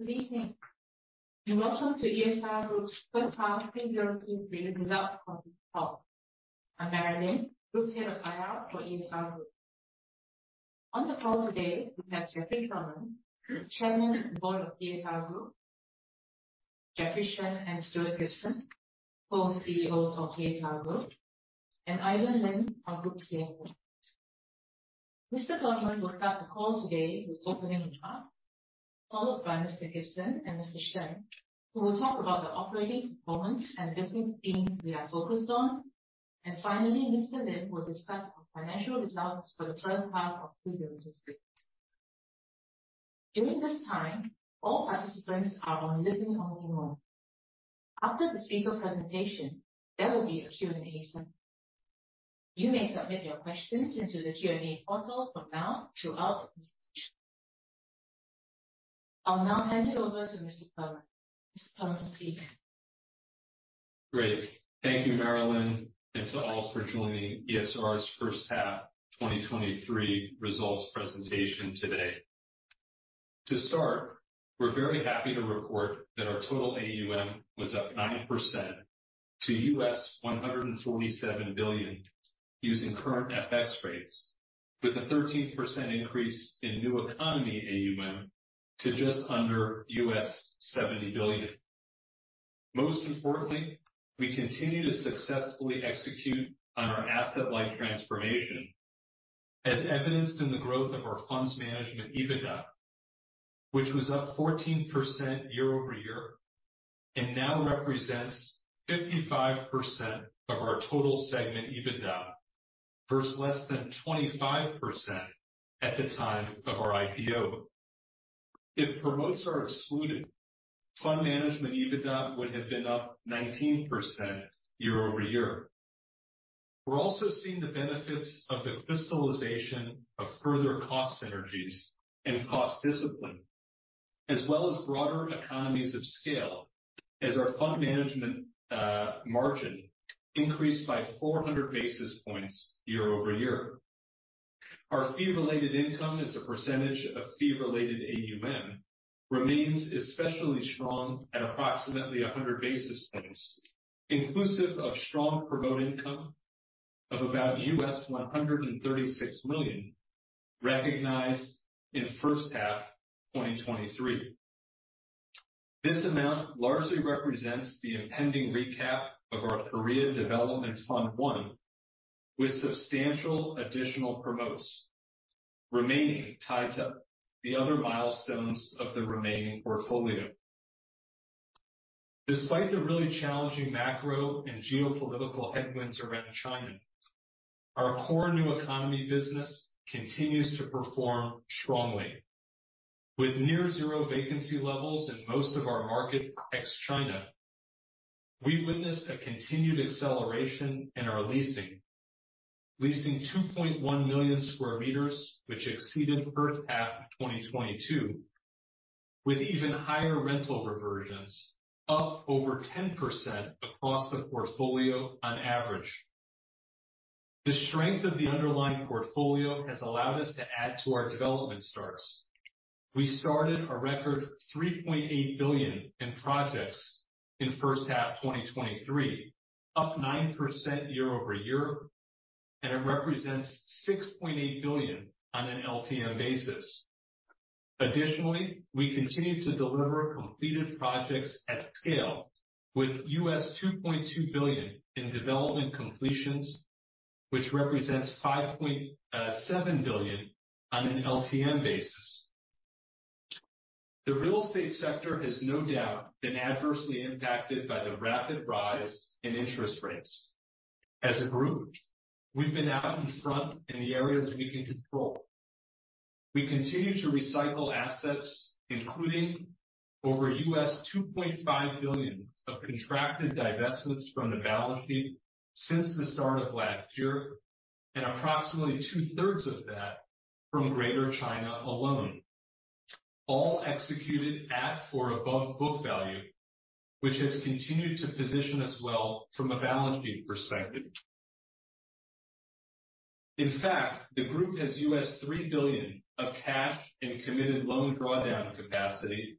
Good evening, and welcome to ESR Group's first half fiscal year 2023 results call. I'm Marilyn, Group Head of IR for ESR Group. On the call today, we have Jeffrey Perlman, Chairman, Board of ESR Group, Jeffrey Shen, and Stuart Gibson, Co-CEOs of ESR Group, and Ivan Lim, our Group CFO. Mr. Perlman will start the call today with opening remarks, followed by Mr. Gibson and Mr. Shen, who will talk about the operating performance and business themes we are focused on. Finally, Mr. Lim will discuss our financial results for the first half of fiscal year 2023. During this time, all participants are on listen only mode. After the speaker presentation, there will be a Q&A session. You may submit your questions into the Q&A portal from now throughout the presentation. I'll now hand it over to Mr. Perlman. Mr. Perlman, please. Great. Thank you, Marilyn, and to all for joining ESR's first half 2023 results presentation today. To start, we're very happy to report that our total AUM was up 9% to $147 billion, using current FX rates, with a 13% increase in New Economy AUM to just under $70 billion. Most importantly, we continue to successfully execute on our asset-light transformation, as evidenced in the growth of our funds management EBITDA, which was up 14% year-over-year and now represents 55% of our total segment EBITDA, versus less than 25% at the time of our IPO. If promotes are excluded, Fund Management EBITDA would have been up 19% year-over-year. We're also seeing the benefits of the crystallization of further cost synergies and cost discipline, as well as broader economies of scale, as our Fund Management margin increased by 400 basis points year-over-year. Our fee-related income as a percentage of fee-related AUM remains especially strong at approximately 100 basis points, inclusive of strong promote income of about $136 million, recognized in the first half 2023. This amount largely represents the impending recap of our Korea Development Fund 1, with substantial additional promotes remaining tied to the other milestones of the remaining portfolio. Despite the really challenging macro and geopolitical headwinds around China, our core New Economy business continues to perform strongly. With near zero vacancy levels in most of our market, ex-China, we've witnessed a continued acceleration in our leasing. Leasing 2.1 million square meters, which exceeded first half of 2022, with even higher rental reversions, up over 10% across the portfolio on average. The strength of the underlying portfolio has allowed us to add to our development starts. We started a record $3.8 billion in projects in first half 2023, up 9% year-over-year, and it represents $6.8 billion on an LTM basis. We continue to deliver completed projects at scale with $2.2 billion in development completions, which represents $5.7 billion on an LTM basis. The real estate sector has no doubt been adversely impacted by the rapid rise in interest rates. As a group, we've been out in front in the areas we can control. We continue to recycle assets, including over $2.5 billion of contracted divestments from the balance sheet since the start of last year, and approximately two-thirds of that from Greater China alone, all executed at or above book value, which has continued to position us well from a balance sheet perspective. In fact, the group has $3 billion of cash and committed loan drawdown capacity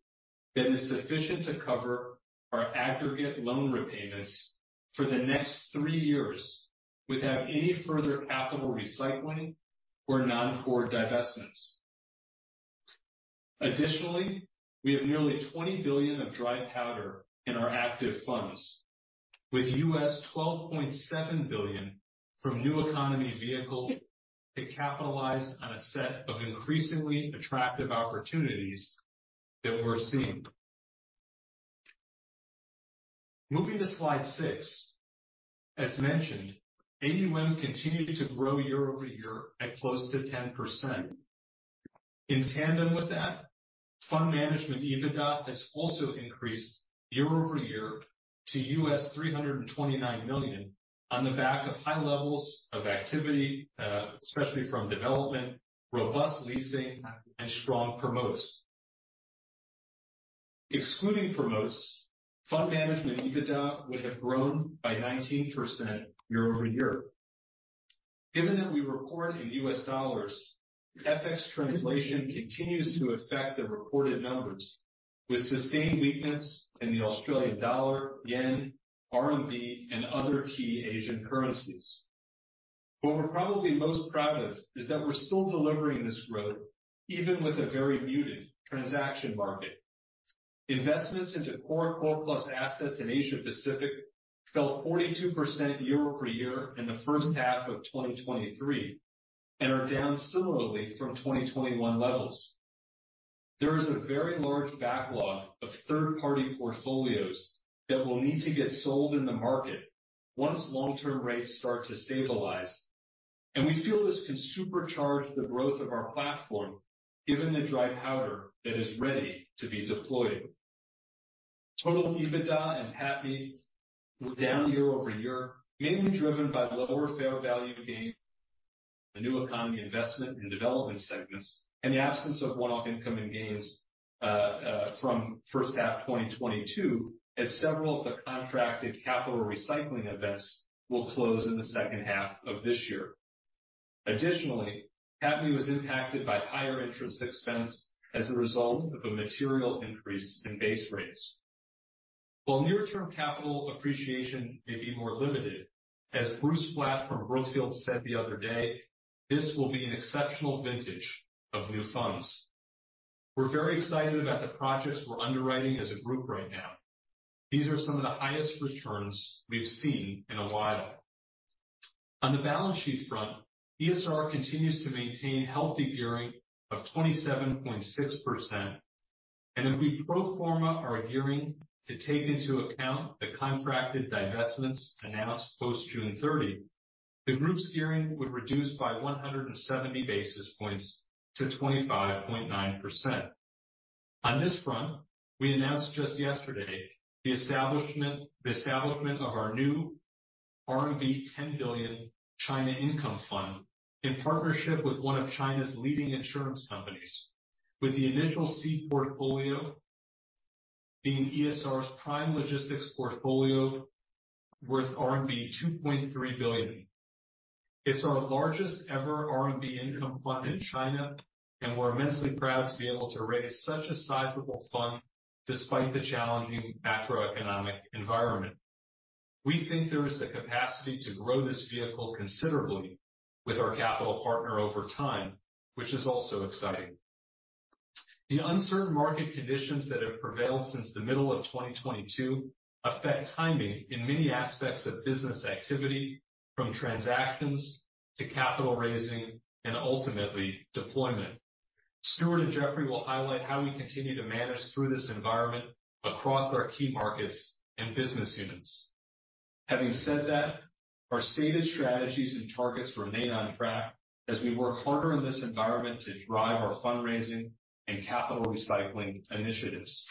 that is sufficient to cover our aggregate loan repayments for the next 3 years without any further capital recycling or non-core divestments. Additionally, we have nearly $20 billion of dry powder in our active funds, with $12.7 billion from New Economy vehicles to capitalize on a set of increasingly attractive opportunities that we're seeing. Moving to slide 6. As mentioned, AUM continued to grow year-over-year at close to 10%. In tandem with that, Fund Management EBITDA has also increased year-over-year to $329 million on the back of high levels of activity, especially from development, robust leasing, and strong promotes. Excluding promotes, Fund Management EBITDA would have grown by 19% year-over-year. Given that we report in US dollars, FX translation continues to affect the reported numbers, with sustained weakness in the Australian dollar, Yen, RMB, and other key Asian currencies. What we're probably most proud of is that we're still delivering this growth, even with a very muted transaction market. Investments into core, core plus assets in Asia Pacific fell 42% year-over-year in the first half of 2023, and are down similarly from 2021 levels. There is a very large backlog of third-party portfolios that will need to get sold in the market once long-term rates start to stabilize, and we feel this can supercharge the growth of our platform, given the dry powder that is ready to be deployed. Total EBITDA and PATMI were down year-over-year, mainly driven by lower fair value gains, the New Economy investment and development segments, and the absence of one-off income and gains from first half 2022, as several of the contracted capital recycling events will close in the second half of this year. Additionally, PATMI was impacted by higher interest expense as a result of a material increase in base rates. While near-term capital appreciation may be more limited, as Bruce Flatt from Brookfield said the other day, "This will be an exceptional vintage of new funds." We're very excited about the projects we're underwriting as a group right now. These are some of the highest returns we've seen in a while. On the balance sheet front, ESR continues to maintain healthy gearing of 27.6%, and if we pro forma our gearing to take into account the contracted divestments announced post-June 30, the group's gearing would reduce by 170 basis points to 25.9%. On this front, we announced just yesterday the establishment of our new RMB 10 billion China Income Fund in partnership with one of China's leading insurance companies, with the initial seed portfolio being ESR's prime logistics portfolio worth RMB 2.3 billion. It's our largest ever RMB Income Fund in China, and we're immensely proud to be able to raise such a sizable fund despite the challenging macroeconomic environment. We think there is the capacity to grow this vehicle considerably with our capital partner over time, which is also exciting. The uncertain market conditions that have prevailed since the middle of 2022 affect timing in many aspects of business activity, from transactions to capital raising and ultimately deployment. Stuart and Jeffrey will highlight how we continue to manage through this environment across our key markets and business units. Having said that, our stated strategies and targets remain on track as we work harder in this environment to drive our fundraising and capital recycling initiatives.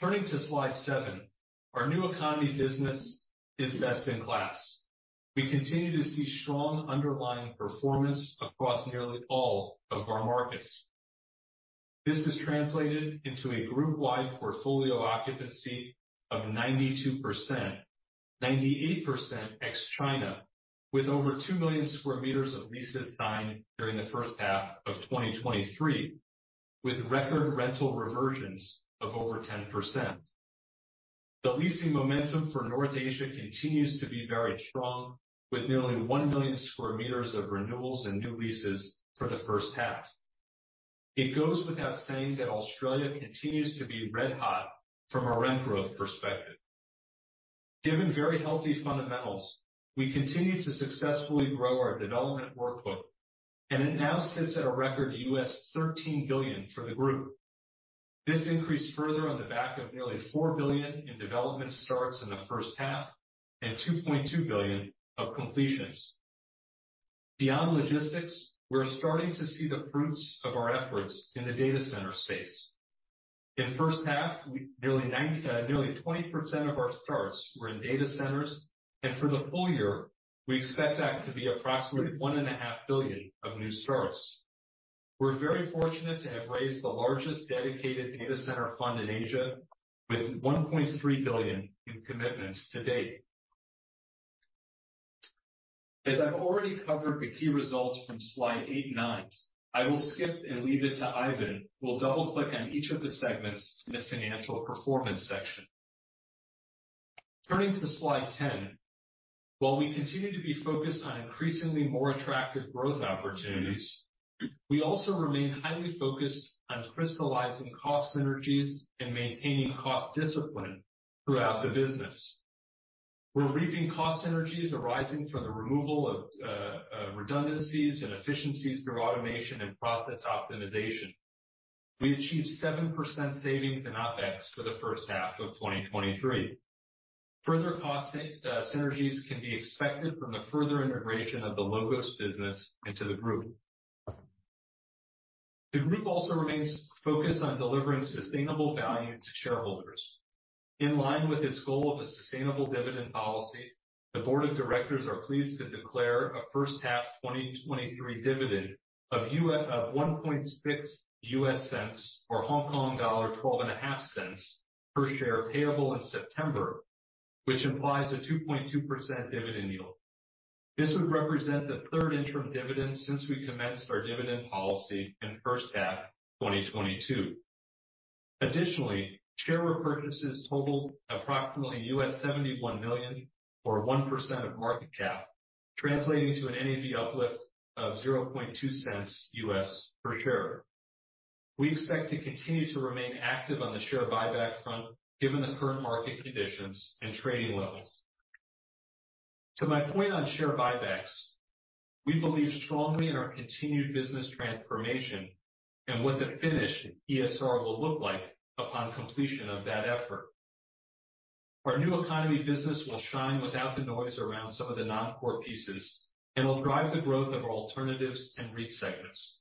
Turning to slide 7, our New Economy business is best in class. We continue to see strong underlying performance across nearly all of our markets. This is translated into a group-wide portfolio occupancy of 92%, 98% ex-China, with over 2 million square meters of leases signed during the first half of 2023, with record rental reversions of over 10%. The leasing momentum for North Asia continues to be very strong, with nearly 1 million square meters of renewals and new leases for the first half. It goes without saying that Australia continues to be red hot from a rent growth perspective. Given very healthy fundamentals, we continue to successfully grow our development workload. It now sits at a record $13 billion for the group. This increased further on the back of nearly $4 billion in development starts in the first half and $2.2 billion of completions. Beyond logistics, we're starting to see the fruits of our efforts in the data center space. In the first half, we nearly nine, nearly 20% of our starts were in data centers, and for the full year, we expect that to be approximately $1.5 billion of new starts. We're very fortunate to have raised the largest dedicated data center fund in Asia, with $1.3 billion in commitments to date. As I've already covered the key results from slide 8 and 9, I will skip and leave it to Ivan, who will double-click on each of the segments in the financial performance section. Turning to slide 10. While we continue to be focused on increasingly more attractive growth opportunities, we also remain highly focused on crystallizing cost synergies and maintaining cost discipline throughout the business. We're reaping cost synergies arising from the removal of redundancies and efficiencies through automation and process optimization. We achieved 7% savings in OpEx for the first half of 2023. Further cost synergies can be expected from the further integration of the LOGOS business into the group. The group also remains focused on delivering sustainable value to shareholders. In line with its goal of a sustainable dividend policy, the board of directors are pleased to declare a first half 2023 dividend of $0.016 or HKD 0.125 per share, payable in September, which implies a 2.2% dividend yield. This would represent the third interim dividend since we commenced our dividend policy in the first half of 2022. Additionally, share repurchases totaled approximately $71 million, or 1% of market cap, translating to an NAV uplift of $0.002 per share. We expect to continue to remain active on the share buyback front, given the current market conditions and trading levels. To my point on share buybacks, we believe strongly in our continued business transformation and what the finished ESR will look like upon completion of that effort. Our New Economy business will shine without the noise around some of the non-core pieces and will drive the growth of our alternatives and REIT segments.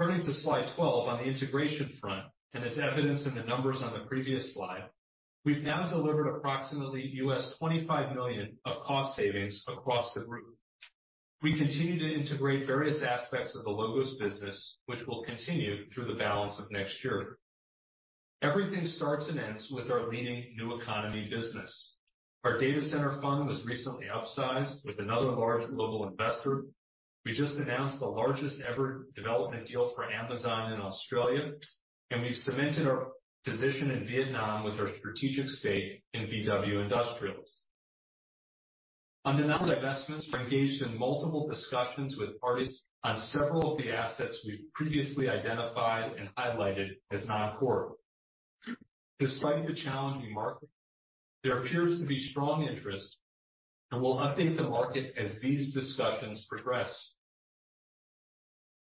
Turning to slide 12 on the integration front, as evidenced in the numbers on the previous slide, we've now delivered approximately $25 million of cost savings across the group. We continue to integrate various aspects of the LOGOS business, which will continue through the balance of next year. Everything starts and ends with our leading New Economy business. Our data center fund was recently upsized with another large global investor. We just announced the largest-ever development deal for Amazon in Australia, and we've cemented our position in Vietnam with our strategic stake in BW Industrial. On the non-divestments, we're engaged in multiple discussions with parties on several of the assets we've previously identified and highlighted as non-core. Despite the challenging market, there appears to be strong interest, and we'll update the market as these discussions progress.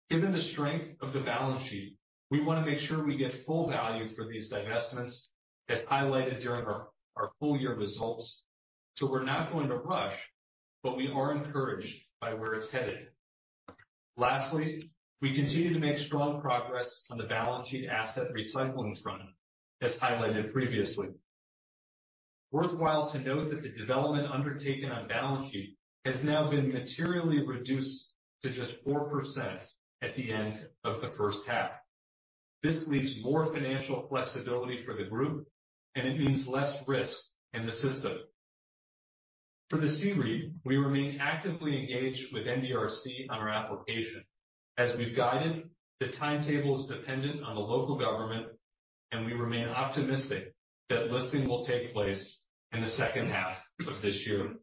Given the strength of the balance sheet, we want to make sure we get full value for these divestments, as highlighted during our, our full year results. We're not going to rush, but we are encouraged by where it's headed. Lastly, we continue to make strong progress on the balance sheet asset recycling front, as highlighted previously. Worthwhile to note that the development undertaken on balance sheet has now been materially reduced to just 4% at the end of the first half. This leaves more financial flexibility for the group, and it means less risk in the system. For the C-REIT, we remain actively engaged with NDRC on our application. As we've guided, the timetable is dependent on the local government, and we remain optimistic that listing will take place in the second half of this year.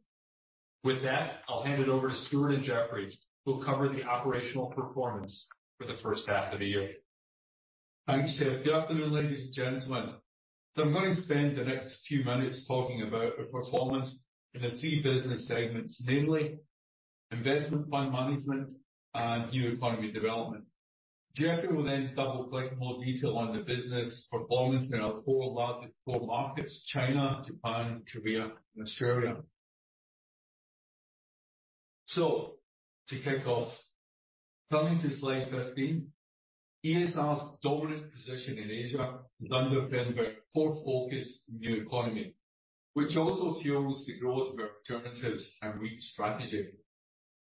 With that, I'll hand it over to Stuart and Jeffrey, who'll cover the operational performance for the first half of the year. Thanks, Jeff. Good afternoon, ladies and gentlemen. I'm going to spend the next few minutes talking about our performance in the 3 business segments, namely, investment Fund Management and New Economy development. Jeffrey will then double-click more detail on the business performance in our 4 core markets, China, Japan, Korea, and Australia. To kick off, coming to slide 13, ESR's dominant position in Asia is underpinned by core focus in the New Economy, which also fuels the growth of our alternatives and REIT strategy.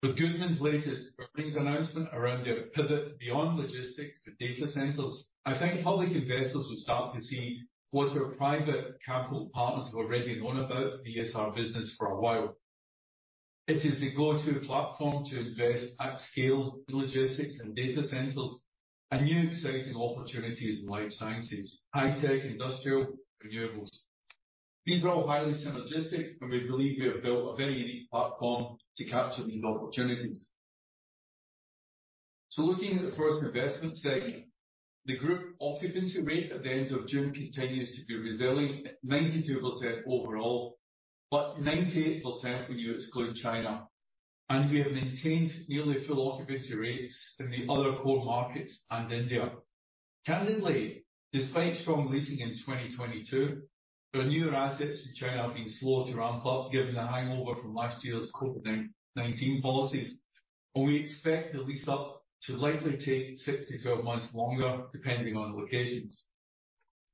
With Goodman Group's latest earnings announcement around their pivot beyond logistics to data centers, I think public investors will start to see what our private capital partners have already known about the ESR business for a while. It is the go-to platform to invest at scale in logistics and data centers and new exciting opportunities in life sciences, high tech, industrial, renewables. These are all highly synergistic, we believe we have built a very unique platform to capture these opportunities. Looking at the first investment segment, the group occupancy rate at the end of June continues to be resilient at 92% overall, but 98% for units excluding China. We have maintained nearly full occupancy rates in the other core markets and India. Candidly, despite strong leasing in 2022, our newer assets in China have been slow to ramp up, given the hangover from last year's COVID-19 policies. We expect the lease up to likely take 6 to 12 months longer, depending on locations.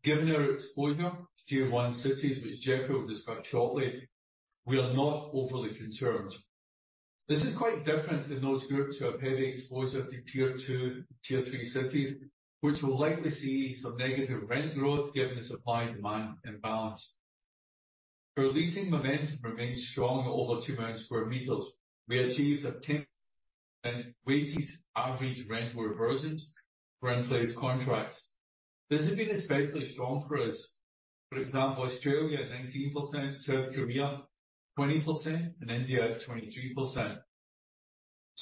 Given our exposure to Tier 1 cities, which Jeffrey will discuss shortly, we are not overly concerned. This is quite different than those groups who have heavy exposure to Tier 2, Tier 3 cities, which will likely see some negative rent growth given the supply-demand imbalance. Our leasing momentum remains strong at over 2 million square meters. We achieved a 10% weighted average rental reversions for in-place contracts. This has been especially strong for us. For example, Australia, 19%, South Korea, 20%, and India, 23%.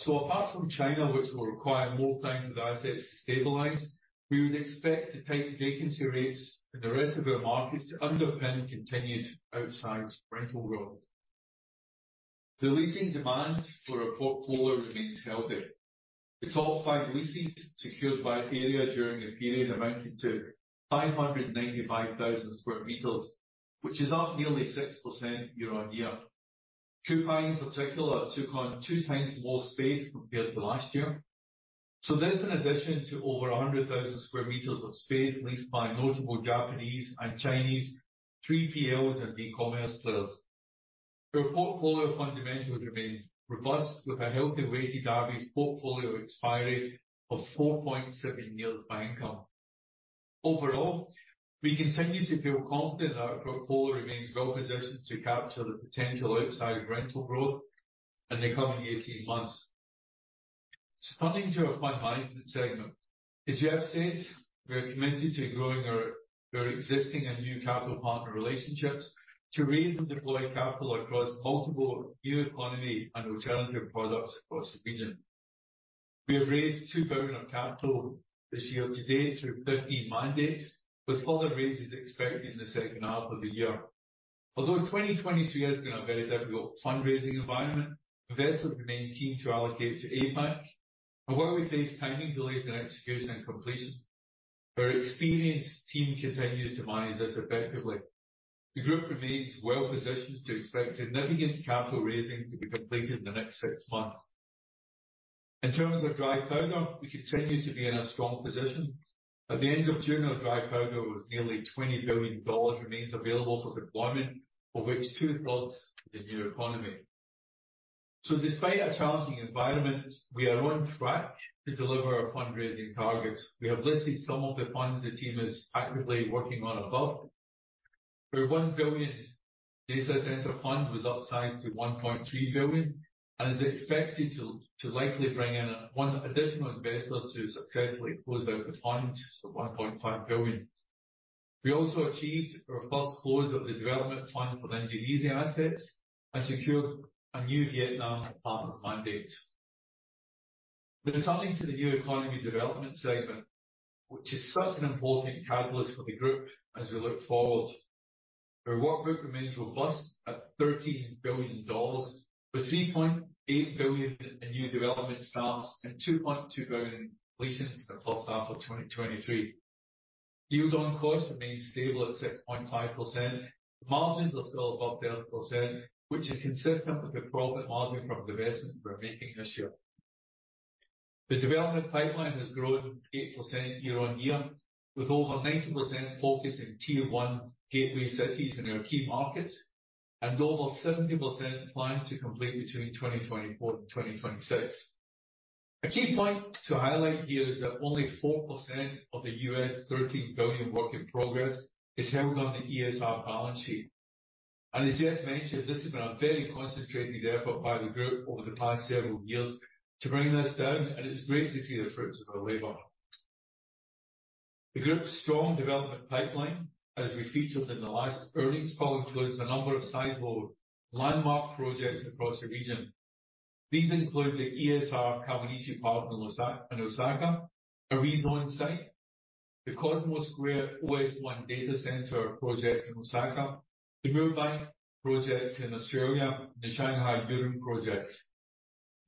Apart from China, which will require more time for the assets to stabilize, we would expect tight vacancy rates in the rest of our markets to underpin continued outside rental growth. The leasing demand for our portfolio remains healthy. The top five leases secured by area during the period amounted to 595,000 square meters, which is up nearly 6% year-over-year. Shein, in particular, took on 2 times more space compared to last year. That's in addition to over 100,000 square meters of space leased by notable Japanese and Chinese, 3PLs, and e-commerce players. Our portfolio fundamentals remain robust, with a healthy weighted average portfolio expiry of 4.7 years by income. Overall, we continue to feel confident our portfolio remains well positioned to capture the potential outside of rental growth in the coming 18 months. Coming to our Fund Management segment, as Jeff said, we are committed to growing our existing and new capital partner relationships to raise and deploy capital across multiple New Economy and alternative products across the region. We have raised $2 billion of capital this year to date through 15 mandates, with further raises expected in the second half of the year. Although 2022 has been a very difficult fundraising environment, investors remain keen to allocate to APAC, and while we face timing delays in execution and completion, our experienced team continues to manage this effectively. The group remains well positioned to expect to navigate capital raising to be completed in the next 6 months. In terms of dry powder, we continue to be in a strong position. At the end of June, our dry powder was nearly $20 billion, remains available for deployment, of which two-thirds is New Economy. Despite our challenging environment, we are on track to deliver our fundraising targets. We have listed some of the funds the team is actively working on above. Our $1 billion data center fund was upsized to $1.3 billion and is expected to likely bring in 1 additional investor to successfully close out the fund to $1.5 billion. We also achieved our first close of the development fund for the Indonesia assets and secured a new Vietnam partners mandate. Turning to the New Economy development segment, which is such an important catalyst for the group as we look forward, our workbook remains robust at $13 billion, with $3.8 billion in new development starts and $2.2 billion leasings for the first half of 2023. Yield on cost remains stable at 6.5%. Margins are still above 30%, which is consistent with the profit margin from divestments we're making this year. The development pipeline has grown 8% year on year, with over 90% focused in Tier 1 gateway cities in our key markets, and over 70% planned to complete between 2024 and 2026. A key point to highlight here is that only 4% of the $13 billion work in progress is held on the ESR balance sheet. As Jeff mentioned, this has been a very concentrated effort by the group over the past several years to bring this down, and it's great to see the fruits of our labor. The group's strong development pipeline, as we featured in the last earnings call, includes a number of sizable landmark projects across the region. These include the ESR Kawanishi Park in Osaka, Kawanishi site, the ESR Cosmosquare OS1 data center project in Osaka, the Brooklyn project in Australia, and the Shanghai Yurun projects.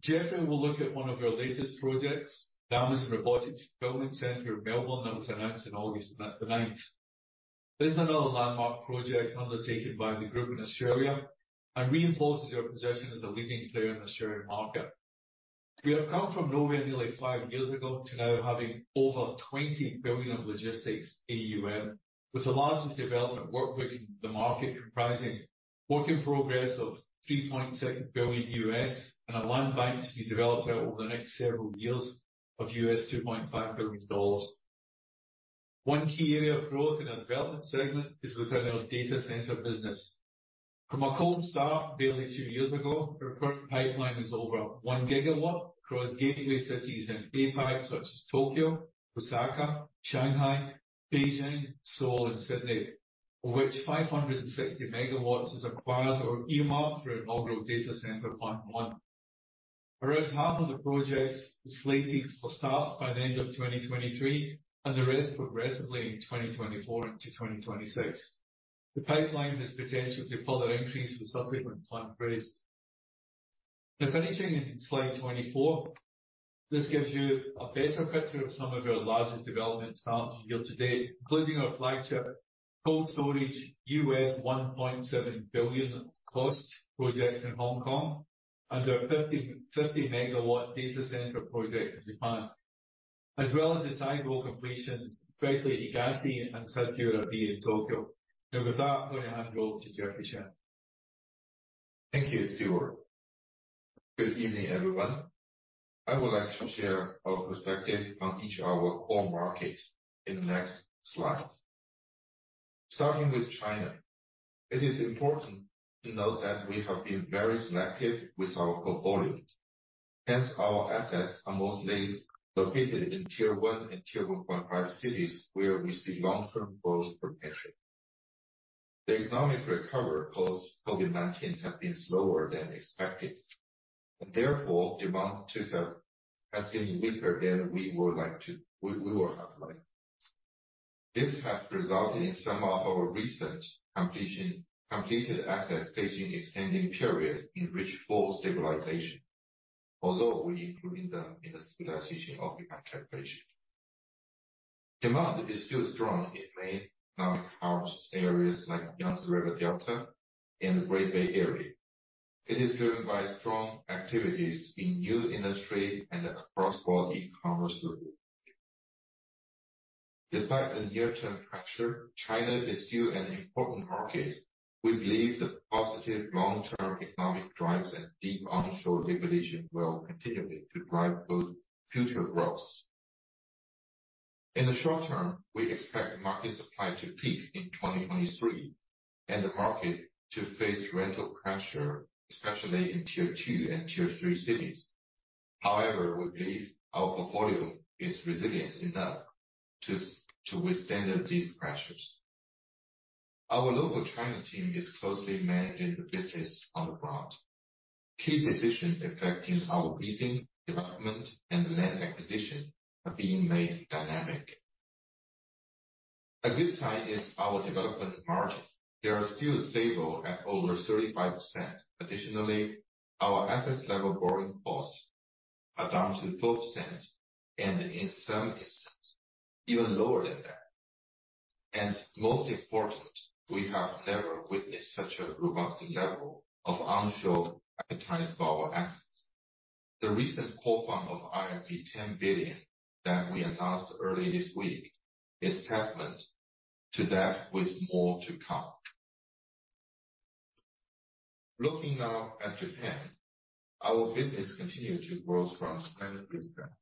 Jeffrey will look at one of our latest projects, Amazon Robotics Fulfillment Center in Melbourne, that was announced on August the 9th. This is another landmark project undertaken by the Group in Australia and reinforces our position as a leading player in the Australian market. We have come from nowhere nearly 5 years ago to now having over $20 billion of logistics AUM, with the largest development workbook in the market, comprising work in progress of $3.6 billion and a land bank to be developed out over the next several years of $2.5 billion. One key area of growth in our development segment is within our data center business. From a cold start barely two years ago, our current pipeline is over 1 gigawatt across gateway cities in APAC, such as Tokyo, Osaka, Shanghai, Beijing, Seoul, and Sydney, of which 560 megawatts is acquired or earmarked for our inaugural data center, Fund 1. Around half of the projects is slated for start by the end of 2023, and the rest progressively in 2024 into 2026. The pipeline has potential to further increase the subsequent fund raise. Finishing in slide 24, this gives you a better picture of some of our largest development starts year-to-date, including our flagship cold storage, $1.7 billion cost project in Hong Kong, and our 30, 30 megawatt data center project in Japan, as well as the title completions, firstly, Higashi and Sachiura B in Tokyo. With that, I'm going to hand over to Jeffrey Shen. Thank you, Stuart. Good evening, everyone. I would like to share our perspective on each our core market in the next slides. Starting with China, it is important to note that we have been very selective with our portfolio. Hence, our assets are mostly located in Tier 1 and Tier 1.5 cities, where we see long-term growth potential. The economic recovery post COVID-19 has been slower than expected, therefore, demand has been weaker than we would have liked. This has resulted in some of our recent completion, completed assets facing extending period in which full stabilization, although we include them in the stabilization of the calculation.... Demand is still strong in main economic hubs areas like Yangtze River Delta and the Greater Bay Area. It is driven by strong activities in new industry and across all e-commerce group. Despite a near-term pressure, China is still an important market. We believe the positive long-term economic drives and deep onshore liquidation will continue to drive both future growth. In the short term, we expect market supply to peak in 2023, and the market to face rental pressure, especially in Tier 2 and Tier 3 cities. However, we believe our portfolio is resilient enough to withstand these pressures. Our local China team is closely managing the business on the ground. Key decisions affecting our leasing, development, and land acquisition are being made dynamic. A good sign is our development margins. They are still stable at over 35%. Additionally, our assets level borrowing costs are down to 4%, and in some instances, even lower than that. Most important, we have never witnessed such a robust level of onshore appetite for our assets. The recent core fund of 10 billion that we announced earlier this week, is testament to that, with more to come. Looking now at Japan, our business continued to grow from strength to strength.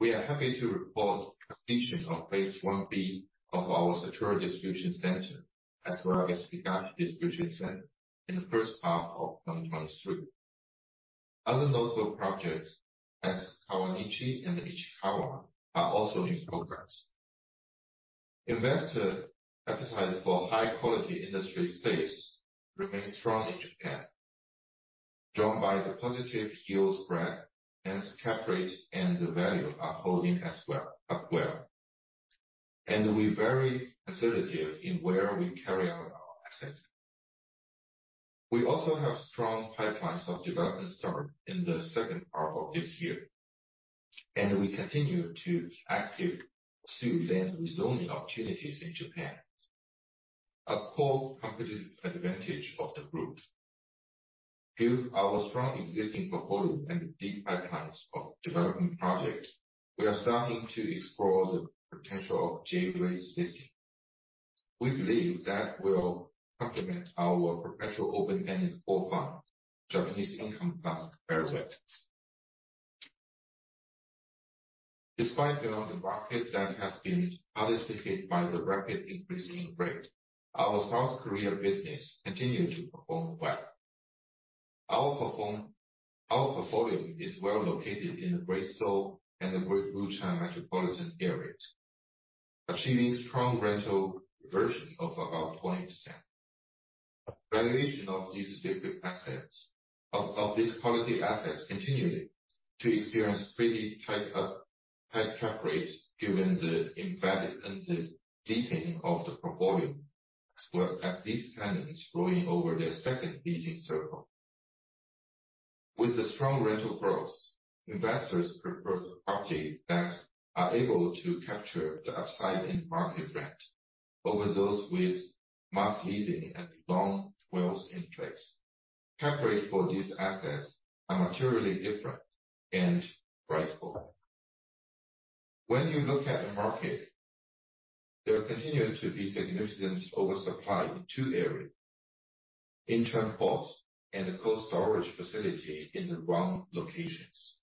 We are happy to report completion of phase 1B of our Sachiura Distribution Center, as well as Higashi Distribution Center in the first half of 2023. Other notable projects as Kawanishi and Ichikawa are also in progress. Investor appetite for high-quality industry space remains strong in Japan, drawn by the positive yield spread, and cap rate, and the value are holding as well, up well. We're very assertive in where we carry on our assets. We also have strong pipelines of development start in the second half of this year, and we continue to active pursue land rezoning opportunities in Japan, a core competitive advantage of the group. Given our strong existing portfolio and deep pipelines of development project, we are starting to explore the potential of J-REIT listing. We believe that will complement our perpetual open-ended core fund, Japanese income fund very well. Despite the market that has been hardest hit by the rapid increase in rate, our South Korea business continued to perform well. Our portfolio is well located in the Greater Seoul and the Greater Busan metropolitan areas, achieving strong rental version of about 20%. Valuation of these logistics assets, of these quality assets continuing to experience pretty tight, high cap rates, given the embedded and the dating of the portfolio, as well as these tenants rolling over their second leasing circle. With the strong rental growth, investors prefer the property that are able to capture the upside in market rent over those with master leasing and long lease in place. cap rates for these assets are materially different and rightful. When you look at the market, there continue to be significant oversupply in two areas, in transport and cold storage facility in the wrong locations.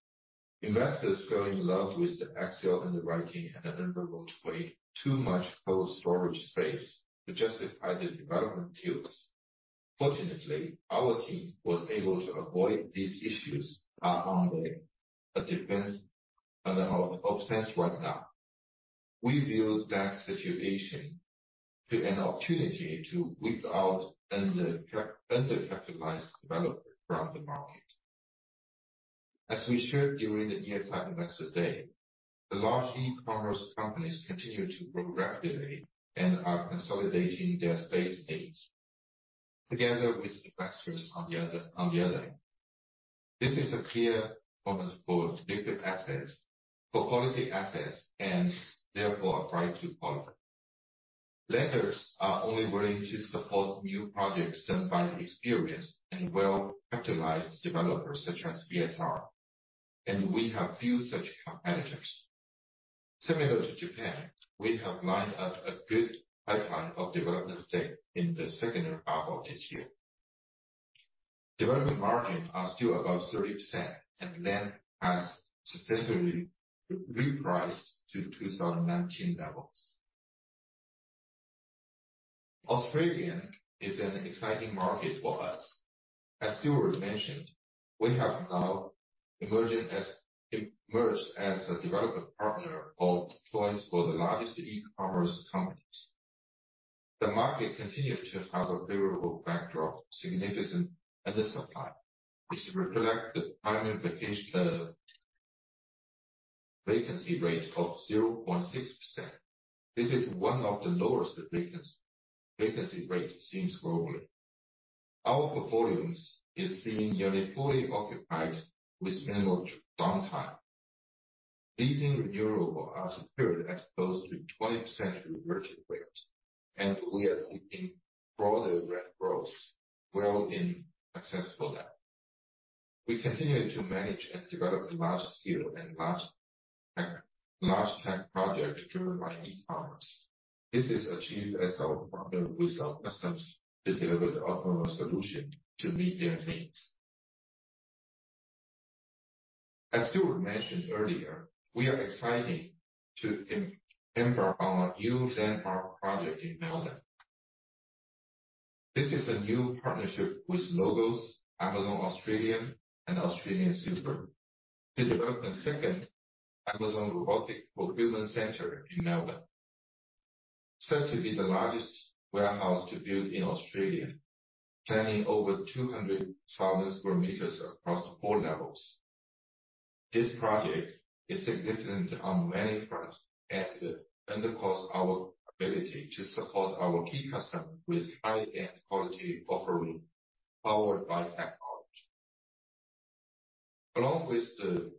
Investors fell in love with the Excel underwriting, and then promoted way, too much cold storage space to justify the development yields. Fortunately, our team was able to avoid these issues are on the defense and offense right now. We view that situation to an opportunity to weed out undercapitalized developers from the market. As we shared during the ESR Group Investor Day, the large e-commerce companies continue to grow rapidly and are consolidating their space needs, together with investors on the other end. This is a clear performance for logistics assets, for quality assets, and therefore a price to follow. Lenders are only willing to support new projects done by experienced and well-capitalized developers such as ESR, we have few such competitors. Similar to Japan, we have lined up a good pipeline of development starts in the second half of this year. Development margins are still above 30%, land has substantially repriced to the 2019 levels. Australian is an exciting market for us. As Stuart mentioned, we have now emerged as a development partner of choice for the largest e-commerce companies. The market continues to have a favorable backdrop, significant undersupply, which reflect the current vacancy rate of 0.6%. This is one of the lowest vacancy rates seen globally. Our portfolios is being nearly fully occupied with minimal downtime. Leasing renewable are securely exposed to 20% reversion rates, and we are seeing broader rent growth well in excess for that. We continue to manage and develop large-scale and large tech projects driven by e-commerce. This is achieved as we partner with our customers to deliver the optimal solution to meet their needs. As Stuart mentioned earlier, we are excited to emphasize on our new landmark project in Melbourne. This is a new partnership with LOGOS, Amazon Australia, and AustralianSuper to develop a second Amazon Robotics Fulfillment Center in Melbourne. Set to be the largest warehouse to build in Australia, spanning over 200,000 square meters across four levels. This project is significant on many fronts and undercost our ability to support our key customer with high-end quality offering, powered by technology. Along with the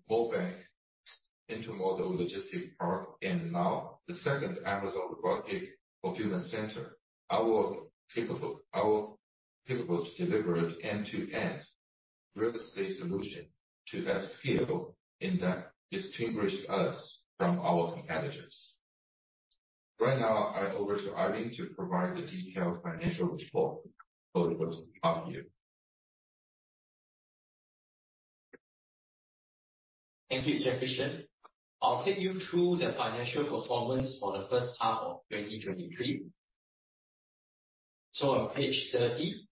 Moorebank Intermodal Precinct, and now the second Amazon Robotics Fulfillment Center, our capable to deliver end-to-end real estate solution to that scale and that distinguish us from our competitors. Right now, I hand over to Ivan to provide the detailed financial report. Over to you. Thank you, Jeff Shen. I'll take you through the financial performance for the first half of 2023. On page 30,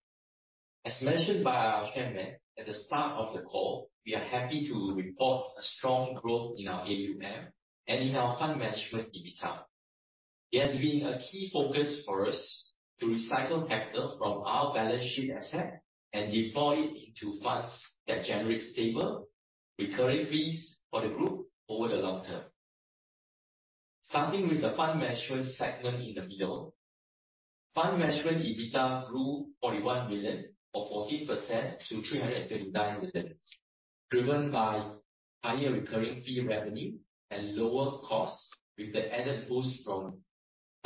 as mentioned by our Chairman at the start of the call, we are happy to report a strong growth in our AUM and in our Fund Management EBITDA. It has been a key focus for us to recycle capital from our balance sheet asset and deploy it into funds that generate stable, recurring fees for the group over the long term. Starting with the Fund Management segment in the middle. Fund Management EBITDA grew $41 million or 14% to $339 million, driven by higher recurring fee revenue and lower costs, with the added boost from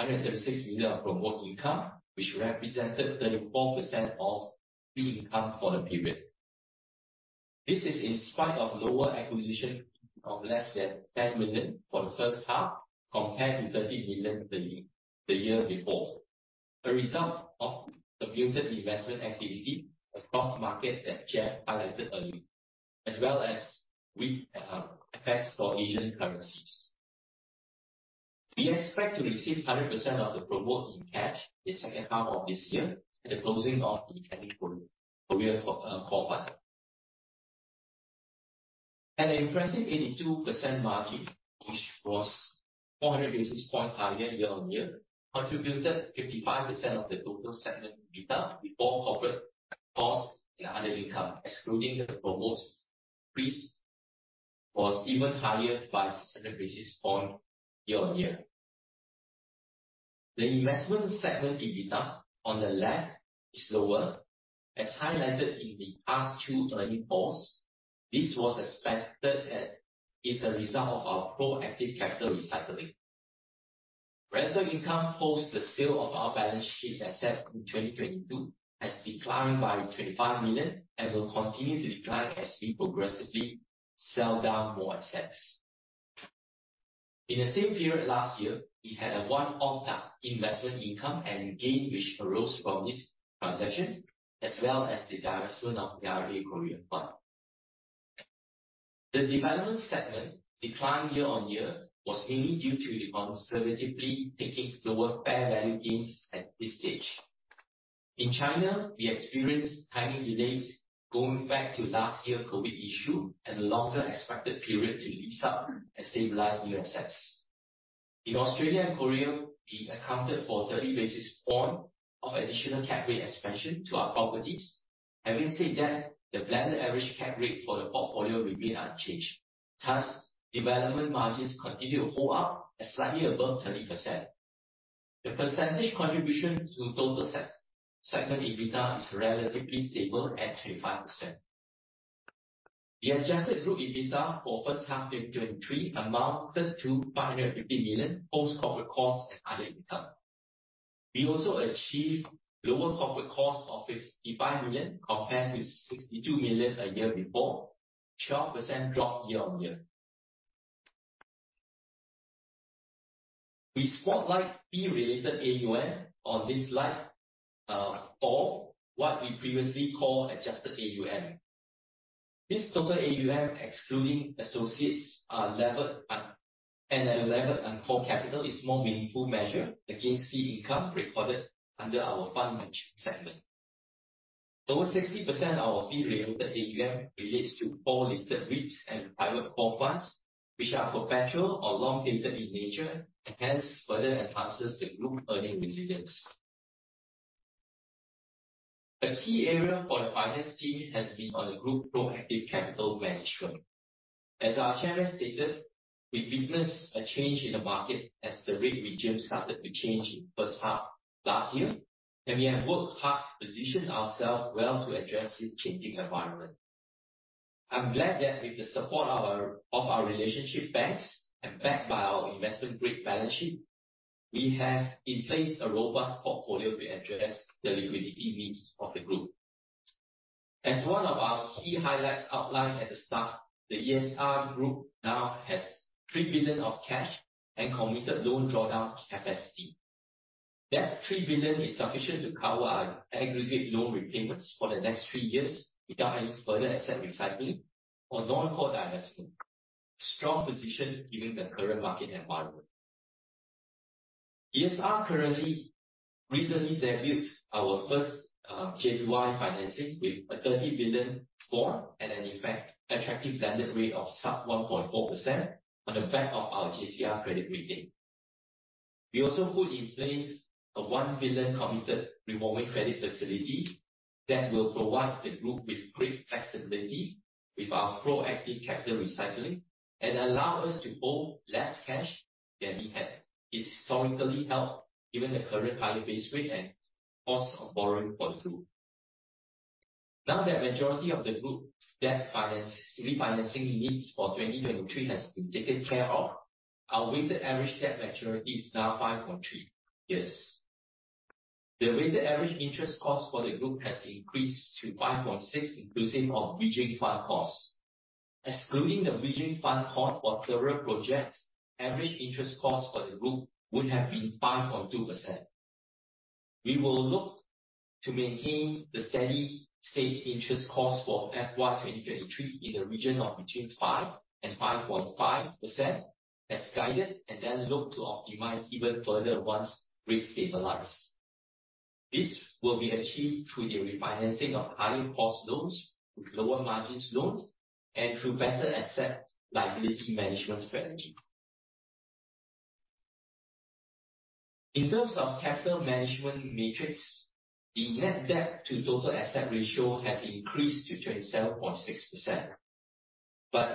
$136 million of promote income, which represented 34% of fee income for the period. This is in spite of lower acquisition of less than $10 million for the first half, compared to $30 million the year before. A result of the muted investment activity across markets that Jeff highlighted earlier, as well as weak effects for Asian currencies. We expect to receive 100% of the promote in cash in the second half of this year at the closing of the transaction in the quarter. An impressive 82% margin, which was 400 basis points higher year-on-year, contributed 55% of the total segment EBITDA before corporate costs and other income, excluding the promotes fees, was even higher by 600 basis points year-on-year. The investment segment EBITDA on the left is lower, as highlighted in the past two earnings calls. This was expected and is a result of our proactive capital recycling. Rental income post the sale of our balance sheet asset in 2022 has declined by $25 million and will continue to decline as we progressively sell down more assets. In the same period last year, we had a one-off tax investment income and gain, which arose from this transaction, as well as the divestment of the ARA Korea fund. The development segment decline year-on-year was mainly due to conservatively taking lower fair value gains at this stage. In China, we experienced timing delays going back to last year's COVID-19 issue and a longer expected period to lease up and stabilize new assets. In Australia and Korea, we accounted for 30 basis points of additional cap rate expansion to our properties. Having said that, the blended average cap rate for the portfolio remained unchanged. Development margins continue to hold up at slightly above 30%. The percentage contribution to total segment EBITDA is relatively stable at 25%. The adjusted group EBITDA for first half of 2023 amounted to $550 million, post corporate costs and other income. We also achieved lower corporate costs of $55 million, compared to $62 million a year before, 12% drop year-on-year. We spotlight fee-related AUM on this slide, or what we previously called adjusted AUM. This total AUM, excluding associates, are levered up, and a levered and core capital is more meaningful measure against fee income recorded under our Fund Management segment. Over 60% of our fee-related AUM relates to all listed REITs and private core funds, which are perpetual or long-dated in nature, and hence further enhances the group earning resilience. A key area for the finance team has been on the group proactive capital management. As our Chairman has stated, we witnessed a change in the market as the rate regime started to change in first half last year, and we have worked hard to position ourselves well to address this changing environment. I'm glad that with the support of our relationship banks and backed by our investment-grade balance sheet, we have in place a robust portfolio to address the liquidity needs of the group. As one of our key highlights outlined at the start, the ESR Group now has $3 billion of cash and committed loan drawdown capacity. That $3 billion is sufficient to cover our aggregate loan repayments for the next 3 years without any further asset recycling or non-core divestment. Strong position given the current market environment. ESR Group recently debuted our first JPY financing with a 30 billion floor and an effect attractive blended rate of sub 1.4% on the back of our JCR credit rating. We also put in place a $1 billion committed revolving credit facility that will provide the group with great flexibility with our proactive capital recycling and allow us to hold less cash than we had historically held, given the current higher base rate and cost of borrowing for us too. Now that majority of the group debt refinancing needs for 2023 has been taken care of, our weighted average debt maturity is now 5.3 years. The weighted average interest cost for the group has increased to 5.6%, inclusive of bridging fund costs. Excluding the bridging fund cost for current projects, average interest cost for the group would have been 5.2%. We will look to maintain the steady state interest cost for FY 2023 in the region of between 5%-5.5%, as guided, and then look to optimize even further once rates stabilize. This will be achieved through the refinancing of high cost loans with lower margins loans and through better asset liability management strategy. In terms of capital management metrics, the net debt to total asset ratio has increased to 27.6%,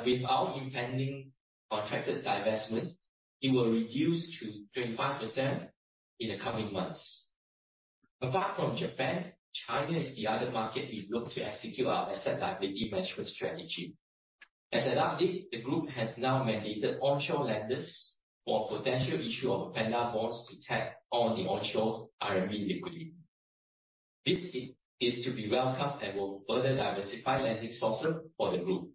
with our impending contracted divestment, it will reduce to 25% in the coming months. Apart from Japan, China is the other market we look to execute our asset liability management strategy. As an update, the group has now mandated onshore lenders for potential issue of panda bonds to tap on the onshore RMB liquidity. This is to be welcome and will further diversify lending sources for the group.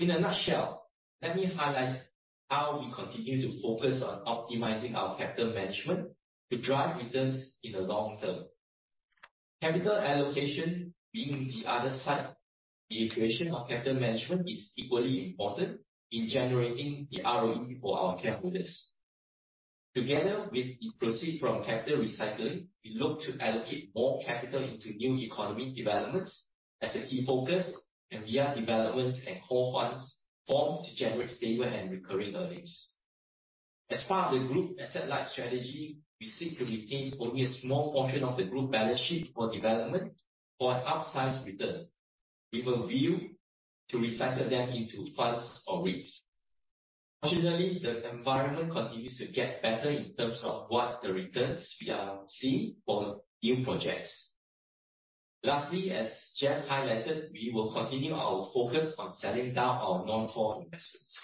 In a nutshell, let me highlight how we continue to focus on optimizing our capital management to drive returns in the long term. Capital allocation, being the other side, the equation of capital management is equally important in generating the ROE for our shareholders. Together with the proceed from capital recycling, we look to allocate more capital into New Economy developments as a key focus and via developments and core funds formed to generate stable and recurring earnings. As part of the group asset light strategy, we seek to retain only a small portion of the group balance sheet for development for an outsized return, with a view to recycle them into funds or REITs. Fortunately, the environment continues to get better in terms of what the returns we are seeing for new projects. Lastly, as Jeffrey highlighted, we will continue our focus on selling down our non-core investments.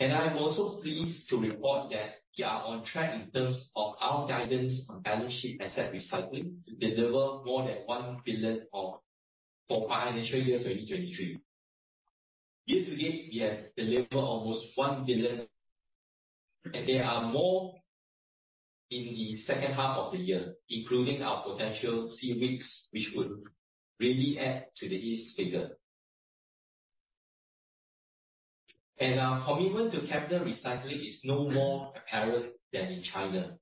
I am also pleased to report that we are on track in terms of our guidance on balance sheet asset recycling to deliver more than $1 billion of for financial year 2023. Year to date, we have delivered almost $1 billion, and there are more in the second half of the year, including our potential C-REITs, which would really add to this figure. Our commitment to capital recycling is no more apparent than in China.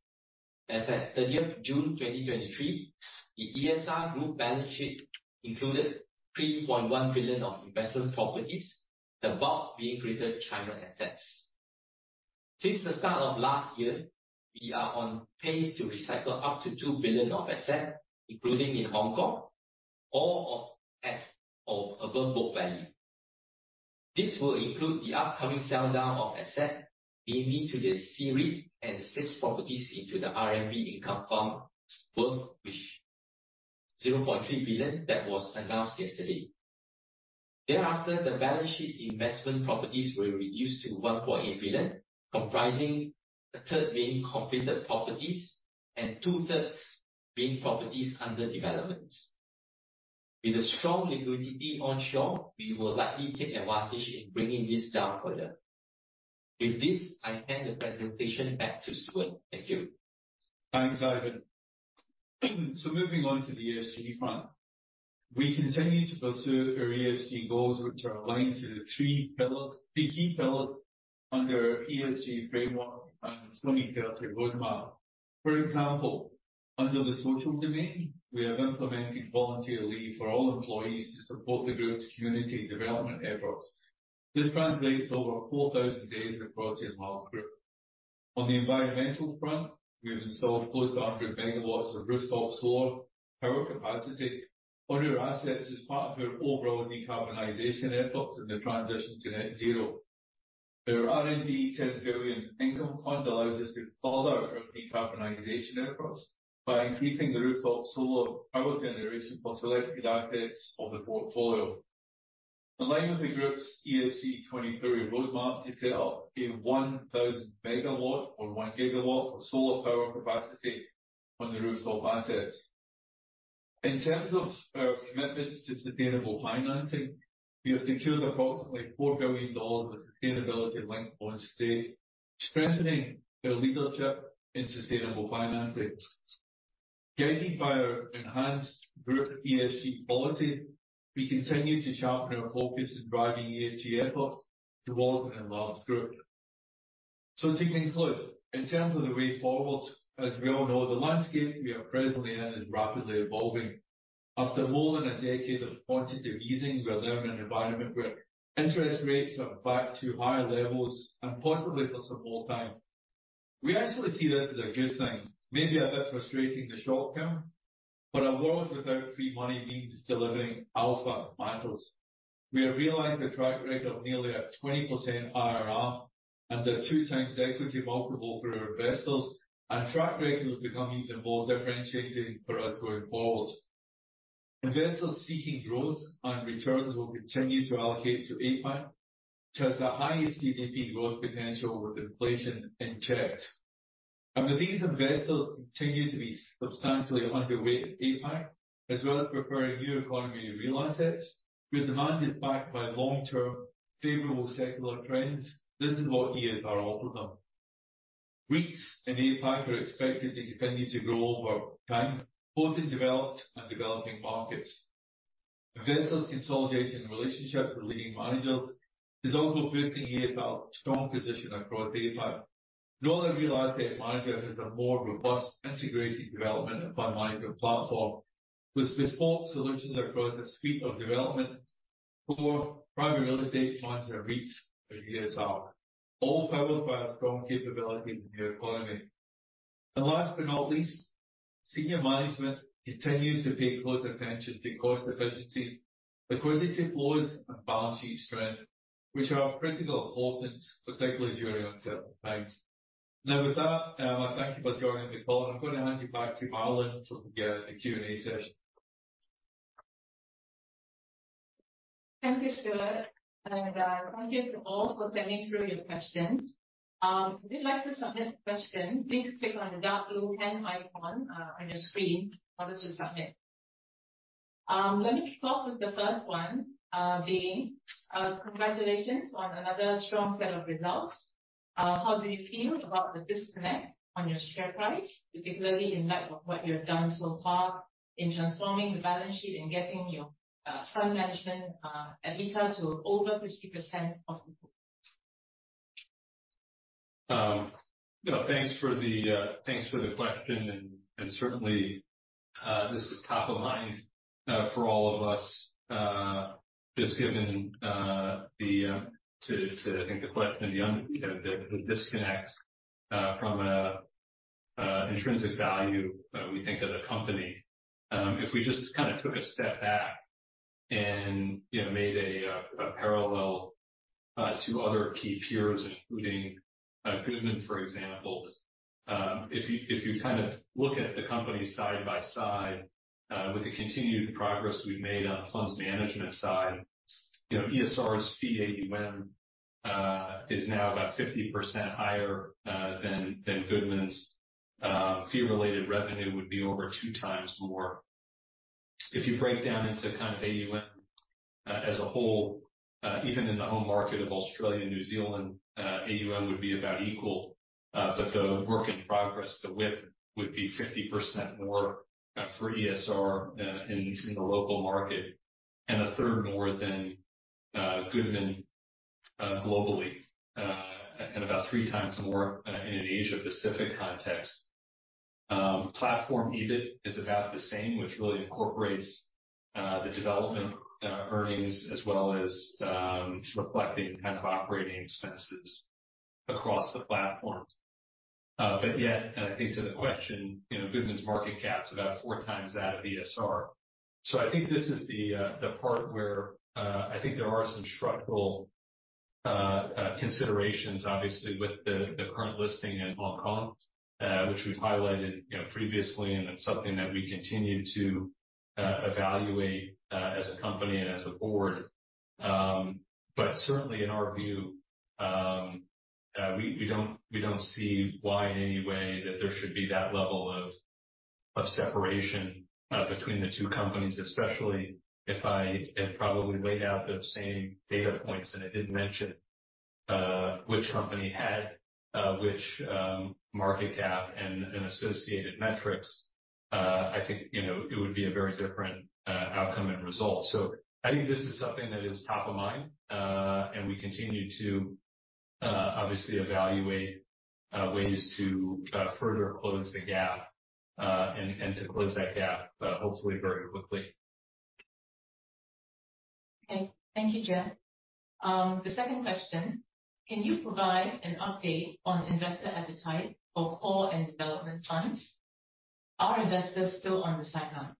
As at 30th June 2023, the ESR Group balance sheet included $3.1 billion of investment properties, the bulk being Greater China assets. Since the start of last year, we are on pace to recycle up to $2 billion of assets, including in Hong Kong, all of at or above book value. This will include the upcoming sell-down of assets, mainly to the C-REITs and 6 properties into the RMB income fund, worth 0.3 billion that was announced yesterday. Thereafter, the balance sheet investment properties were reduced to $1.8 billion, comprising one-third being completed properties and two-thirds being properties under development. With a strong liquidity onshore, we will likely take advantage in bringing this down further. With this, I hand the presentation back to Stuart. Thank you. Thanks, Ivan. Moving on to the ESG front. We continue to pursue our ESG goals, which are aligned to the three pillars, the key pillars under our ESG framework and 2030 Roadmap. For example, under the social domain, we have implemented voluntary leave for all employees to support the group's community development efforts. This translates over 4,000 days across the entire group. On the environmental front, we have installed close to 100 megawatts of rooftop solar power capacity on our assets as part of our overall decarbonization efforts in the transition to net zero. Our 10 billion income fund allows us to further our decarbonization efforts by increasing the rooftop solar power generation for selected assets of the portfolio. In line with the group's ESG 2030 Roadmap to set up 1,000 megawatt or 1 gigawatt of solar power capacity on the rooftop assets. In terms of our commitments to sustainable financing, we have secured approximately $4 billion of sustainability-linked bonds today, strengthening our leadership in sustainable financing. Guided by our enhanced group ESG policy, we continue to sharpen our focus in driving ESG efforts towards an enlarged group. To conclude, in terms of the way forward, as we all know, the landscape we are presently in is rapidly evolving. After more than a decade of quantitative easing, we are now in an environment where interest rates are back to higher levels and possibly for some more time. We actually see that as a good thing. Maybe a bit frustrating in the short term, but a world without free money means delivering alpha matters. We have realized a track record of nearly a 20% IRR and a 2 times equity multiple for our investors. Track record is becoming more differentiating for us going forward. Investors seeking growth and returns will continue to allocate to APAC, which has the highest GDP growth potential with inflation in check. With these investors continuing to be substantially underweight in APAC, as well as preferring New Economy real assets, where demand is backed by long-term favorable secular trends, this is what ESR offers them. REITs in APAC are expected to continue to grow over time, both in developed and developing markets. Investors consolidating relationships with leading managers is also boosting ESR strong position across APAC. No other real estate manager has a more robust integrated development and Fund Management platform, with bespoke solutions across the suite of development for private real estate manager REITs at ESR, all powered by a strong capability in the New Economy. Last but not least, senior management continues to pay close attention to cost efficiencies, liquidity flows, and balance sheet strength, which are of critical importance, particularly during uncertain times. With that, I thank you for joining the call, and I'm going to hand you back to Marilyn to begin the Q&A session. Thank you, Stuart, and thank you to all for sending through your questions. If you'd like to submit a question, please click on the dark blue hand icon on your screen in order to submit. Let me start with the first one, being, "Congratulations on another strong set of results. How do you feel about the disconnect on your share price, particularly in light of what you've done so far in transforming the balance sheet and getting your Fund Management EBITDA to over 50% of the group? You know, thanks for the thanks for the question, and, and certainly, this is top of mind for all of us, just given the I think the question beyond, you know, the disconnect from a intrinsic value we think of the company. If we just kind of took a step back and, you know, made a parallel to other key peers, including Goodman Group, for example. If you, if you kind of look at the companies side by side, with the continued progress we've made on funds management side, you know, ESR's fee AUM is now about 50% higher than Goodman's. Fee-related revenue would be over 2 times more. If you break down into kind of AUM as a whole, even in the home market of Australia and New Zealand, AUM would be about equal, but the work in progress, the WIP, would be 50% more for ESR in the local market, and a third more than Goodman Group globally, and about 3 times more in an Asia-Pacific context. Platform EBIT is about the same, which really incorporates the development earnings, as well as reflecting kind of operating expenses across the platforms. Yet, and I think to the question, you know, Goodman's market cap is about 4 times that of ESR. I think this is the the part where I think there are some structural considerations, obviously, with the the current listing in Hong Kong, which we've highlighted, you know, previously, and it's something that we continue to evaluate as a company and as a board. Certainly in our view, we we don't we don't see why, in any way, that there should be that level of of separation between the two companies, especially if I had probably laid out those same data points, and I didn't mention which company had which market cap and associated metrics. I think, you know, it would be a very different outcome and result. I think this is something that is top of mind, and we continue to obviously evaluate ways to further close the gap, and, and to close that gap, hopefully very quickly. Okay. Thank you, Jeff. The second question: Can you provide an update on investor appetite for core and development funds? Are investors still on the sidelines?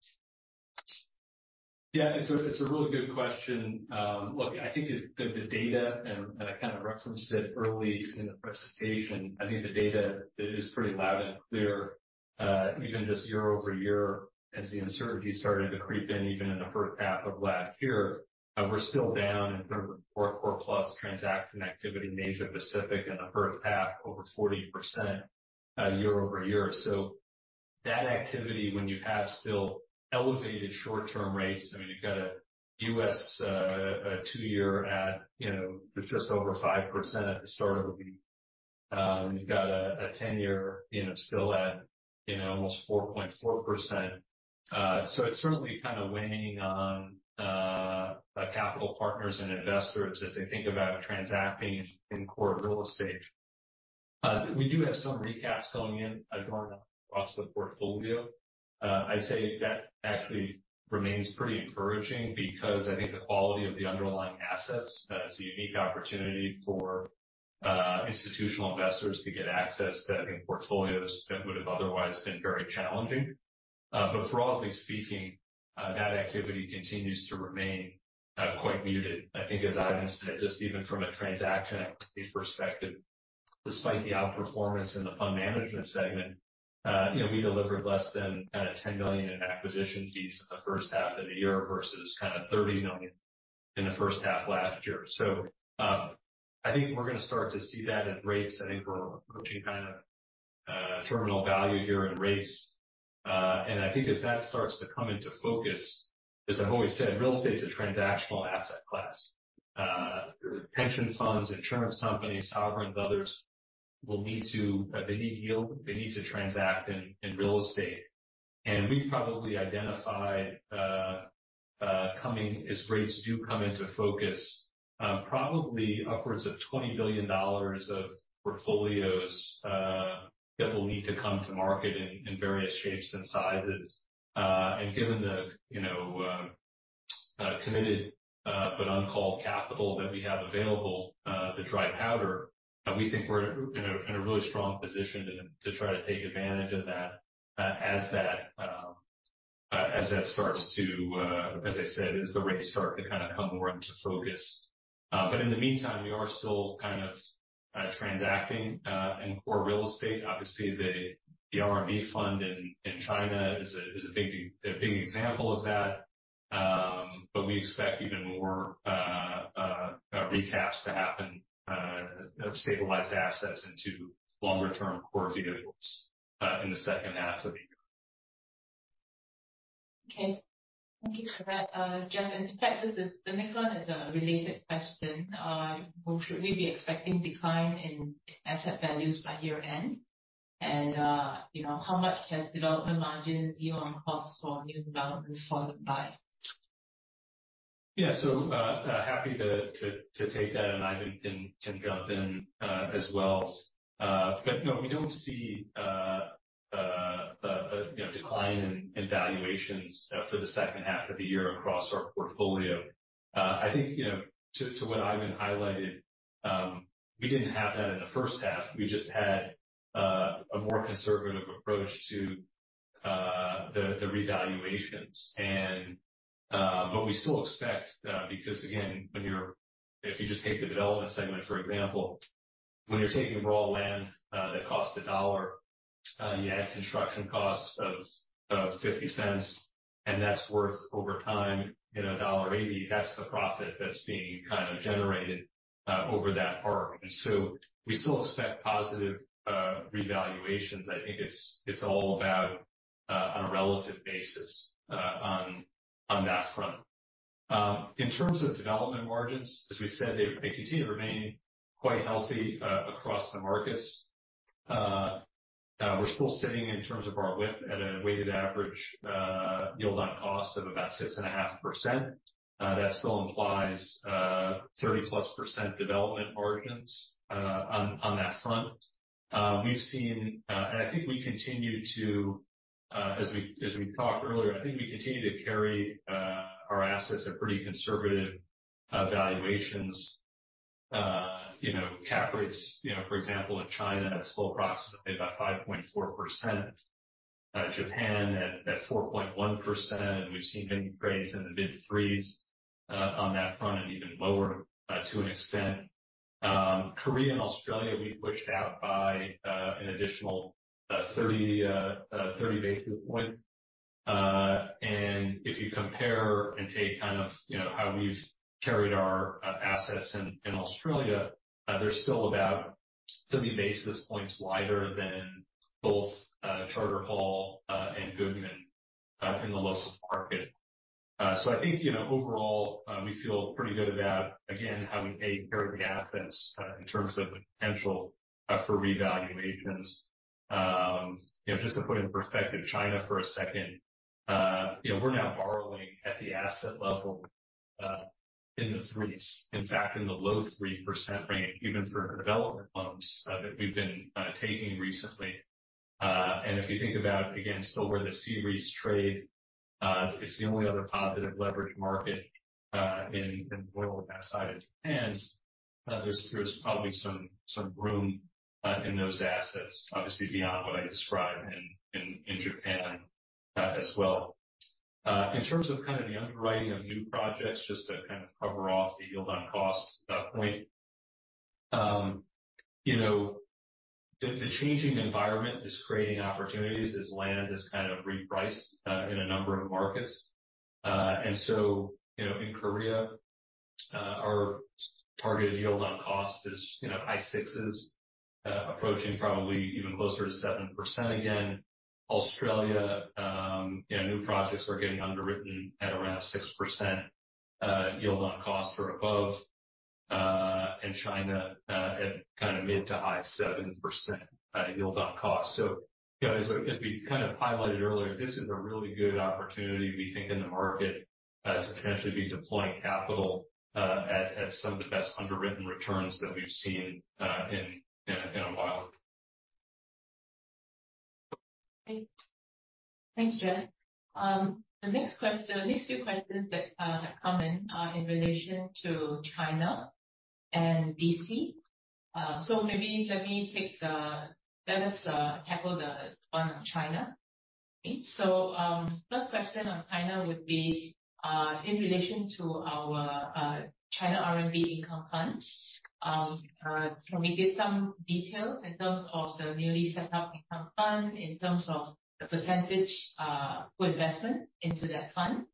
Yeah, it's a, it's a really good question. Look, I think the, the data, and, and I kind of referenced it early in the presentation, I think the data is pretty loud and clear. Even just year-over-year, as the uncertainty started to creep in, even in the first half of last year, we're still down in terms of fourth core plus transaction activity in Asia Pacific in the first half, over 40%, year-over-year. That activity, when you have still elevated short-term rates, I mean, you've got a U.S. 2-year at, you know, just over 5% at the start of the week. You've got a, a 10-year, you know, still at, you know, almost 4.4%. It's certainly kind of weighing on capital partners and investors as they think about transacting in core real estate. We do have some recaps going in as across the portfolio. I'd say that actually remains pretty encouraging because I think the quality of the underlying assets, it's a unique opportunity for institutional investors to get access to, I think, portfolios that would have otherwise been very challenging. Broadly speaking, that activity continues to remain quite muted. I think as Ivan said, just even from a transaction activity perspective, despite the outperformance in the Fund Management segment, you know, we delivered less than kind of $10 million in acquisition fees in the first half of the year versus kind of $30 million in the first half last year. I think we're gonna start to see that at rates. I think we're approaching kind of terminal value here in rates. I think as that starts to come into focus, as I've always said, real estate is a transactional asset class. Pension funds, insurance companies, sovereigns, and others will need to... they need yield, they need to transact in, in real estate. We've probably identified coming, as rates do come into focus, probably upwards of $20 billion of portfolios that will need to come to market in, in various shapes and sizes. Given the, you know, committed, but uncalled capital that we have available, the dry powder, we think we're in a really strong position to try to take advantage of that as that, as that starts to, as I said, as the rates start to kind of come more into focus. In the meantime, we are still kind of transacting in core real estate. Obviously, the, the RMB fund in China is a big, a big example of that. We expect even more recaps to happen of stabilized assets into longer-term core vehicles in the second half of the year. Okay. Thank you for that, Jeff. In fact, this is, the next one is a related question. Well, should we be expecting decline in asset values by year-end? You know, how much has development margins yield on cost for new developments fallen by? Yeah. So, happy to take that, and Ivan can jump in as well. But no, we don't see a decline in valuations for the second half of the year across our portfolio. I think, to what Ivan highlighted, we didn't have that in the first half. We just had a more conservative approach to the revaluations. But we still expect, because again, when you're-- if you just take the development segment, for example, when you're taking raw land that costs $1, you add construction costs of $0.50, and that's worth over time, you know, $1.80, that's the profit that's being kind of generated over that part. And so we still expect positive revaluations. I think it's, it's all about on a relative basis on, on that front. In terms of development margins, as we said, they continue to remain quite healthy across the markets. We're still sitting in terms of our WIP at a weighted average yield on cost of about 6.5%. That still implies 30+% development margins on, on that front. We've seen, and I think we continue to, as we, as we talked earlier, I think we continue to carry our assets at pretty conservative valuations. You know, cap rates, you know, for example, in China, it's still approximately about 5.4%, Japan at, at 4.1%. We've seen many trades in the mid 3s on that front and even lower to an extent. Korea and Australia, we've pushed out by an additional 30, 30 basis points. If you compare and take kind of, you know, how we've carried our assets in Australia, they're still about 30 basis points wider than both Charter Hall and Goodman Group in the listed market. I think, you know, overall, we feel pretty good about, again, having taken care of the assets, in terms of the potential for revaluations. You know, just to put it in perspective, China for a second, you know, we're now borrowing at the asset level, in the 3s, in fact, in the low 3% range, even for development loans that we've been taking recently. If you think about, again, still where the C-REITs trade, it's the only other positive leverage market in Asia outside of Japan. There's, there's probably some, some room in those assets, obviously, beyond what I described in Japan, as well. In terms of kind of the underwriting of new projects, just to kind of cover off the yield on cost point. You know, the changing environment is creating opportunities as land has kind of repriced in a number of markets. you know, in Korea, our targeted yield on cost is, you know, high 6s, approaching probably even closer to 7% again. Australia, you know, new projects are getting underwritten at around 6% yield on cost or above, and China, at kind of mid to high 7% yield on cost. you know, as, as we kind of highlighted earlier, this is a really good opportunity, we think, in the market, to potentially be deploying capital at some of the best underwritten returns that we've seen in a while. Great. Thanks, Jeff. The next few questions that have come in are in relation to China and DC. Maybe let us tackle the one on China. First question on China would be in relation to our China RMB Income Fund. Can we get some details in terms of the newly set up income fund, in terms of the percentage investment into that fund?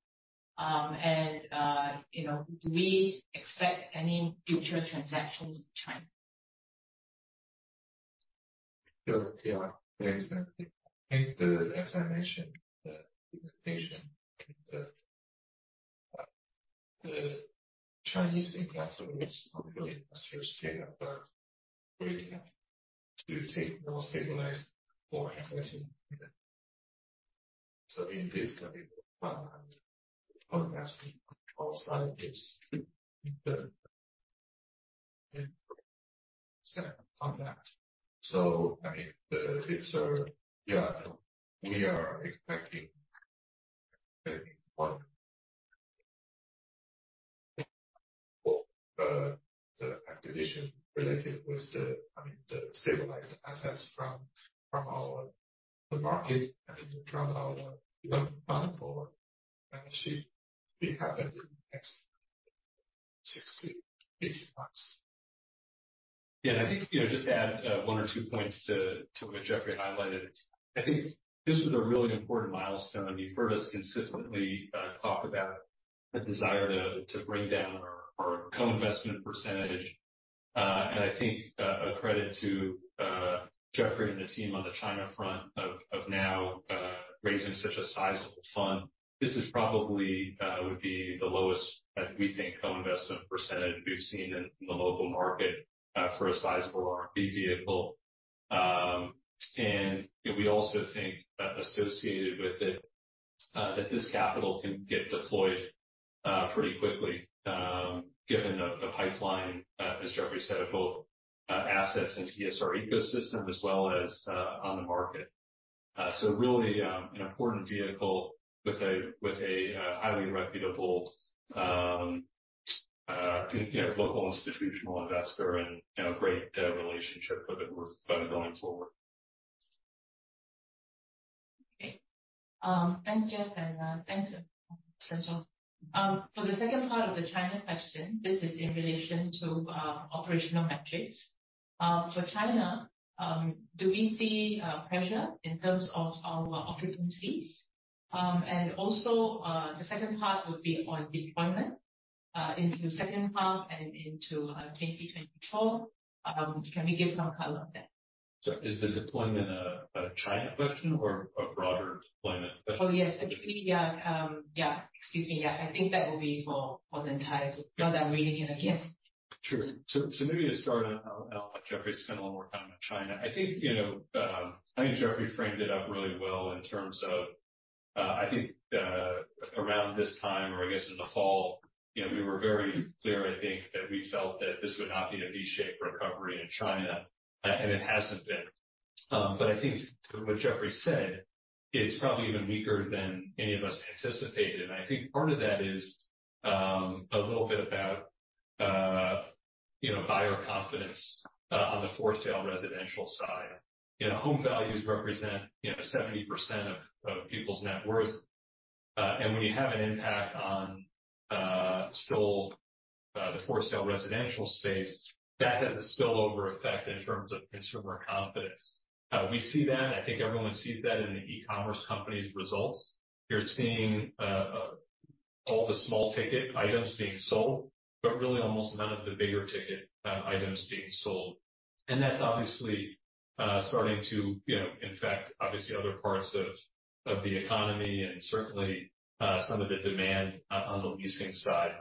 You know, do we expect any future transactions in China? Sure, Tia. Thanks. I think the, as I mentioned, the presentation, the, the Chinese impact of this is not really industrial scale, but we have to take more stabilized for investing. In this case, outside this, the set on that. I mean, the, it's Yeah, we are expecting one, the acquisition related with the, I mean, the stabilized assets from, from our, the market and from our development fund or actually we have next 6-18 months. Yeah, I think, you know, just to add, one or two points to, to what Jeffrey highlighted. I think this was a really important milestone. You've heard us consistently, talk about the desire to, to bring down our, our co-investment percentage. And I think, a credit to, Jeffrey and the team on the China front of, of now, raising such a sizable fund. This is probably, would be the lowest that we think co-investment percentage we've seen in the local market, for a sizable RMB vehicle. And we also think, associated with it, that this capital can get deployed, pretty quickly, given the, the pipeline, as Jeffrey said, of both, assets and ESR ecosystem as well as, on the market. Really, an important vehicle with a highly reputable, you know, local institutional investor and a great relationship with it going forward. Okay. Thanks, Jeff, and thanks, Shen. For the second part of the China question, this is in relation to operational metrics. For China, do we see pressure in terms of our occupancies? Also, the second part would be on deployment into second half and into 2024. Can we give some color on that? Is the deployment a, a China question or a broader deployment question? Oh, yes, actually, yeah. Yeah. Excuse me. Yeah, I think that will be for, for the entire, not that really again. Yeah. Sure. Maybe to start on Jeffrey, spend a little more time on China. I think, you know, I think Jeffrey framed it up really well in terms of, I think, around this time or I guess in the fall, you know, we were very clear, I think, that we felt that this would not be a V-shaped recovery in China, and it hasn't been. I think to what Jeffrey said, it's probably even weaker than any of us anticipated. I think part of that is a little bit about, you know, buyer confidence on the for-sale residential side. You know, home values represent, you know, 70% of people's net worth. When you have an impact on still the for-sale residential space, that has a spillover effect in terms of consumer confidence. We see that, and I think everyone sees that in the e-commerce company's results. You're seeing all the small ticket items being sold, but really almost none of the bigger ticket items being sold. And that's obviously starting to, you know, infect obviously other parts of the economy and certainly some of the demand on the leasing side.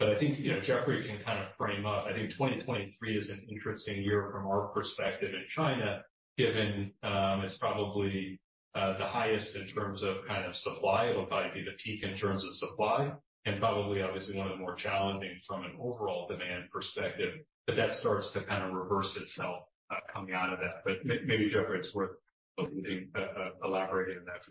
I think, you know, Jeffrey can kind of frame up. I think 2023 is an interesting year from our perspective in China, given it's probably the highest in terms of kind of supply. It will probably be the peak in terms of supply, and probably obviously one of the more challenging from an overall demand perspective. That starts to kind of reverse itself coming out of that. Maybe, Jeffrey, it's worth elaborating on that.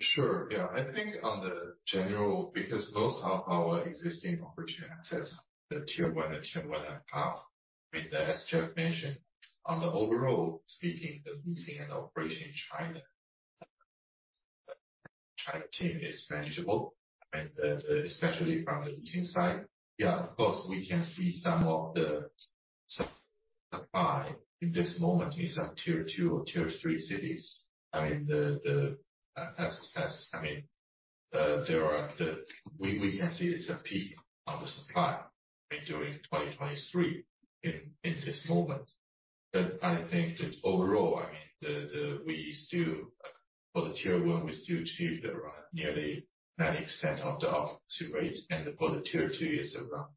Sure. Yeah. I think on the general, because most of our existing opportunity assets, the Tier 1 and Tier 1 and a half, with that, as Jeff mentioned, on the overall speaking, the leasing and operation in China, team is manageable, and especially from the leasing side. Yeah, of course, we can see some of the supply in this moment is at Tier 2 or Tier 3 cities. We can see it's a peak on the supply during 2023 in this moment. I think that overall, for the Tier 1, we still achieve nearly 90% of the occupancy rate, and for the Tier 2 is around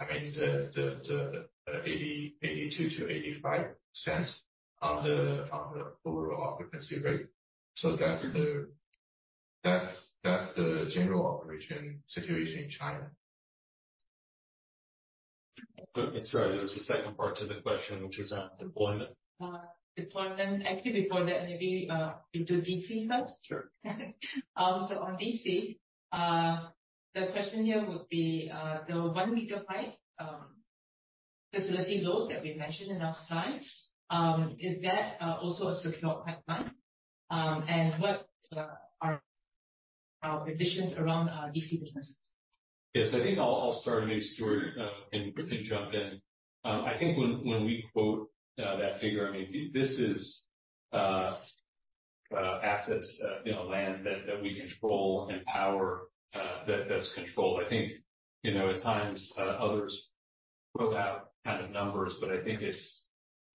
80%, 82%-85% on the overall occupancy rate. That's the general operation situation in China. Sorry, there's a second part to the question, which is on deployment. Deployment. Actually, before that, maybe, we do DC first. Sure. On DC, the question here would be, the 1 megawatt facility load that we mentioned in our slide, is that also a secure pipeline? What are our ambitions around our DC businesses? Yes, I think I'll, I'll start, and maybe Stuart can, can jump in. I think when, when we quote that figure, I mean, this is assets, you know, land that, that we control and power that, that's controlled. I think, you know, at times, others put out kind of numbers, but I think it's,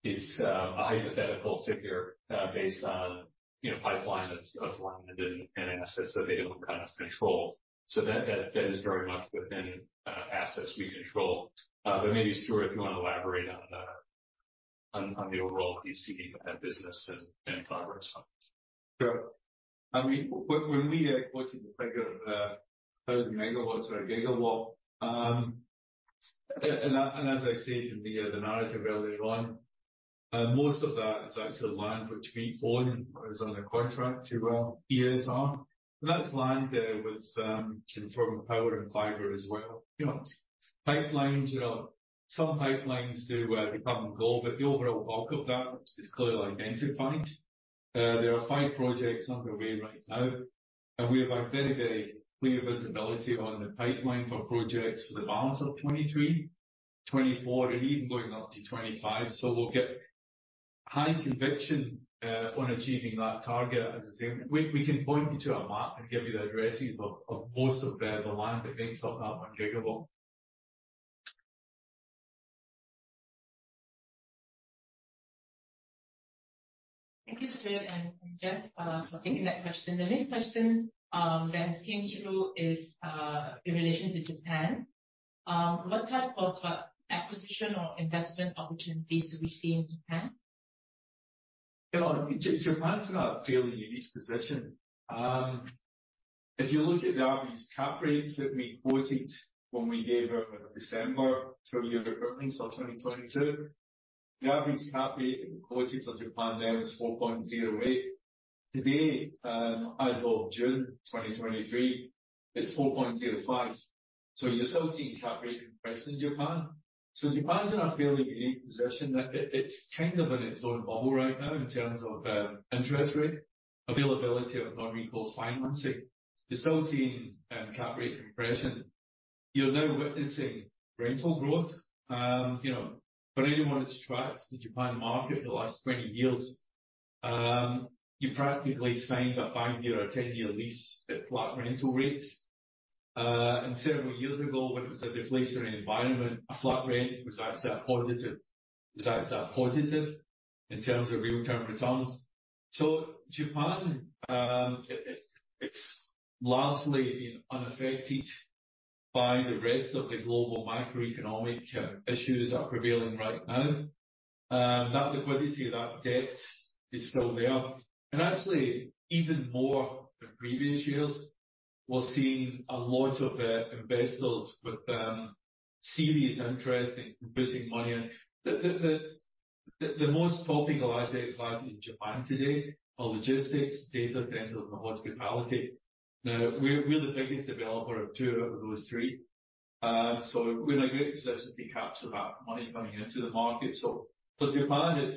it's a hypothetical figure based on, you know, pipeline of, of land and, and assets that they don't kind of control. That, that, that is very much within assets we control. Maybe, Stuart, if you want to elaborate on the overall DC business and, and progress on it. Sure. I mean, when we are quoting the figure, 1,000 megawatts or 1 gigawatt, as I said in the narrative earlier on, most of that is actually land which we own is under contract to ESR. That's land with confirmed power and fiber as well. You know, pipelines, some pipelines do become gold, but the overall bulk of that is clearly identified. There are 5 projects underway right now, and we have a very, very clear visibility on the pipeline for projects for the balance of 2023, 2024, and even going up to 2025. We'll get high conviction on achieving that target. As I said, we can point you to a map and give you the addresses of most of the land that makes up that 1 gigawatt. Thank you, Stuart and, and Jeff, for taking that question. The next question that came through is in relation to Japan. What type of acquisition or investment opportunities do we see in Japan? Japan is in a fairly unique position. If you look at the average cap rates that we quoted when we gave our December through year earnings of 2022, the average cap rate quoted for Japan then was 4.08%. Today, as of June 2023, it's 4.05%. You're still seeing cap rate compressed in Japan. Japan is in a fairly unique position that it, it's kind of in its own bubble right now in terms of interest rate, availability of non-recourse financing. You're still seeing cap rate compression. You're now witnessing rental growth. You know, for anyone who tracks the Japan market in the last 20 years, you practically signed a 5-year or 10-year lease at flat rental rates. Several years ago, when it was a deflationary environment, a flat rate was actually a positive. That's a positive in terms of real term returns. Japan, it, it's largely unaffected by the rest of the global macroeconomic issues that are prevailing right now. That liquidity, that debt is still there, and actually even more than previous years. We're seeing a lot of investors with serious interest in putting money in. The, the, the, the, the most talking asset class in Japan today are logistics, data centers, and hospitality. Now, we're, we're the biggest developer of 2 out of those 3. We're in a great position to capture that money coming into the market. Japan,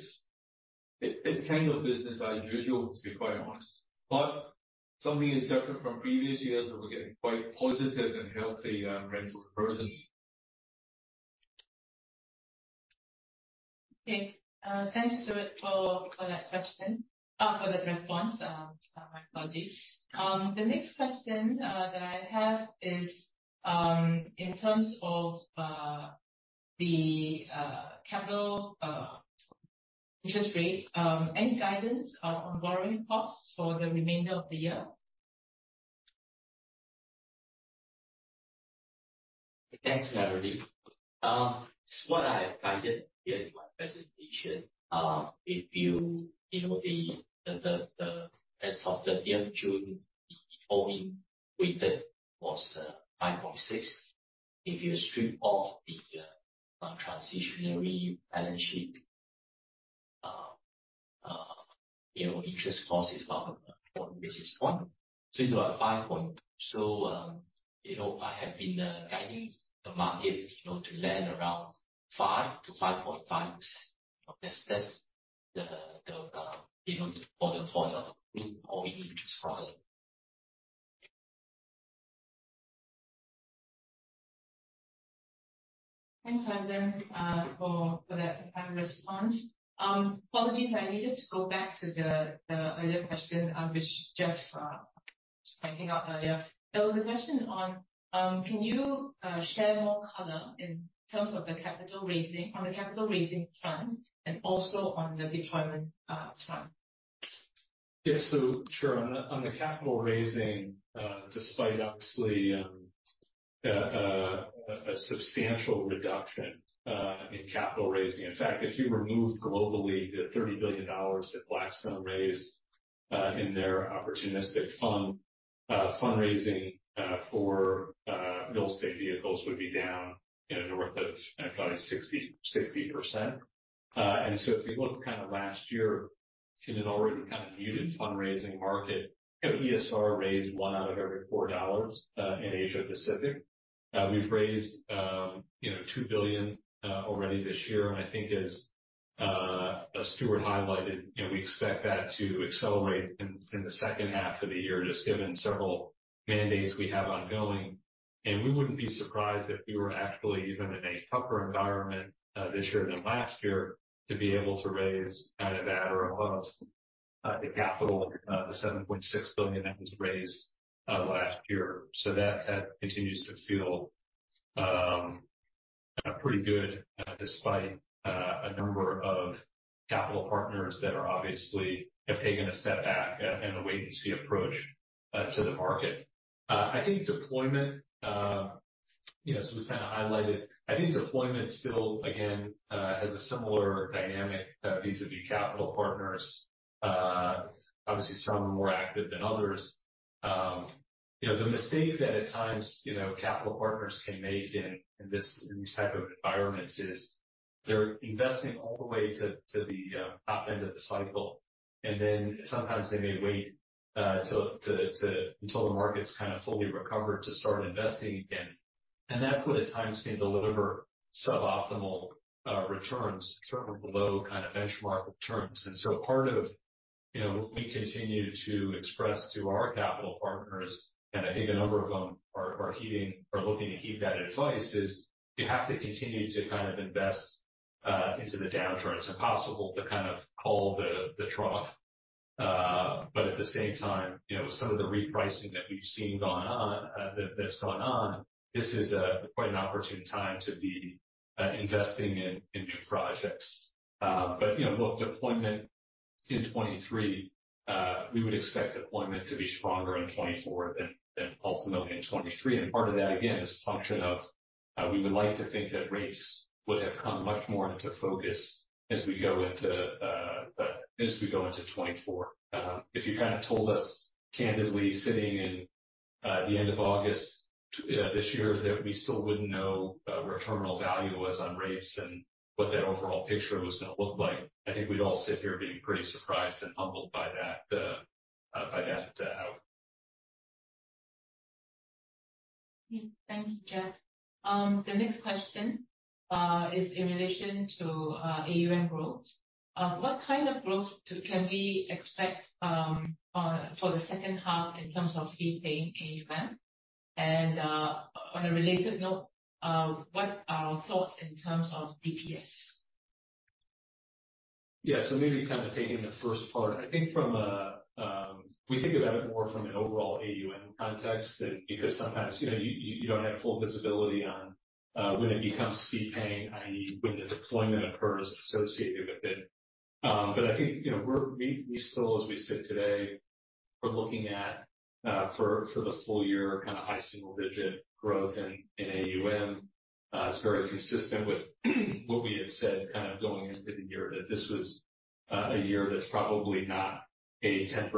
it's kind of business as usual, to be quite honest. Something is different from previous years. We're getting quite positive and healthy rental growth. Okay. Thanks, Stuart, for, for that question, for that response. My apologies. The next question, that I have is, in terms of, the, capital, interest rate, any guidance on, on borrowing costs for the remainder of the year? Thanks, Melanie. what I guided here in my presentation, if you, you know, the, the, the, as of the end of June, the all-in weighted was 5.6. If you strip off the transitionary balance sheet, you know, interest cost is about 4 percent. it's about five point. you know, I have been guiding the market, you know, to land around 5-5.5. That's, that's the, the, you know, for the, for the all-in interest product. Thanks, Rui Hua, for, for that kind response. Apologies, I needed to go back to the, the earlier question, which Jeff was pointing out earlier. There was a question on, can you share more color in terms of the capital raising, on the capital raising front and also on the deployment, front? Yeah. Sure. On the capital raising, despite obviously a substantial reduction in capital raising. In fact, if you remove globally the $30 billion that Blackstone raised in their opportunistic fund fundraising for real estate vehicles would be down, you know, north of probably 60%. If you look kind of last year in an already kind of muted fundraising market, you know, ESR raised 1 out of every 4 dollars in Asia Pacific. We've raised, you know, $2 billion already this year. I think as Stuart highlighted, you know, we expect that to accelerate in the second half of the year, just given several mandates we have ongoing. We wouldn't be surprised if we were actually even in a tougher environment this year than last year, to be able to raise kind of that or above the capital, the $7.6 billion that was raised last year. That, that continues to feel pretty good despite a number of capital partners that are obviously have taken a step back and a wait-and-see approach to the market. I think deployment, you know, we kind of highlighted. I think deployment still, again, has a similar dynamic vis-a-vis capital partners. Obviously, some are more active than others. You know, the mistake that at times, you know, capital partners can make in, in this, in these type of environments is they're investing all the way to, to the top end of the cycle, and then sometimes they may wait till until the market's kind of fully recovered to start investing again. That's what at times can deliver suboptimal returns or below kind of benchmark returns. So part of, you know, we continue to express to our capital partners, and I think a number of them are, are heeding or looking to heed that advice, is you have to continue to kind of invest into the downturn. It's impossible to kind of call the, the trough. At the same time, you know, some of the repricing that we've seen gone on, that, that's gone on, this is quite an opportune time to be investing in new projects. You know, look, deployment in 23, we would expect deployment to be stronger in 24 than, than ultimately in 23. Part of that, again, is a function of, we would like to think that rates would have come much more into focus as we go into as we go into 24. If you kind of told us candidly, sitting in the end of August this year, that we still wouldn't know where terminal value was on rates and what that overall picture was gonna look like, I think we'd all sit here being pretty surprised and humbled by that by that out. Thank you, Jeff. The next question is in relation to AUM growth. What kind of growth can we expect for the second half in terms of fee-paying AUM? And on a related note, what are our thoughts in terms of DPS? Yeah. Maybe kind of taking the first part. I think from a, we think about it more from an overall AUM context, that because sometimes, you know, you, you don't have full visibility on when it becomes fee paying, i.e., when the deployment occurs associated with it. But I think, you know, we're, we, we still, as we sit today, are looking at for, for the full year, kind of high single-digit growth in AUM. It's very consistent with what we had said kind of going into the year, that this was a year that's probably not a 10%+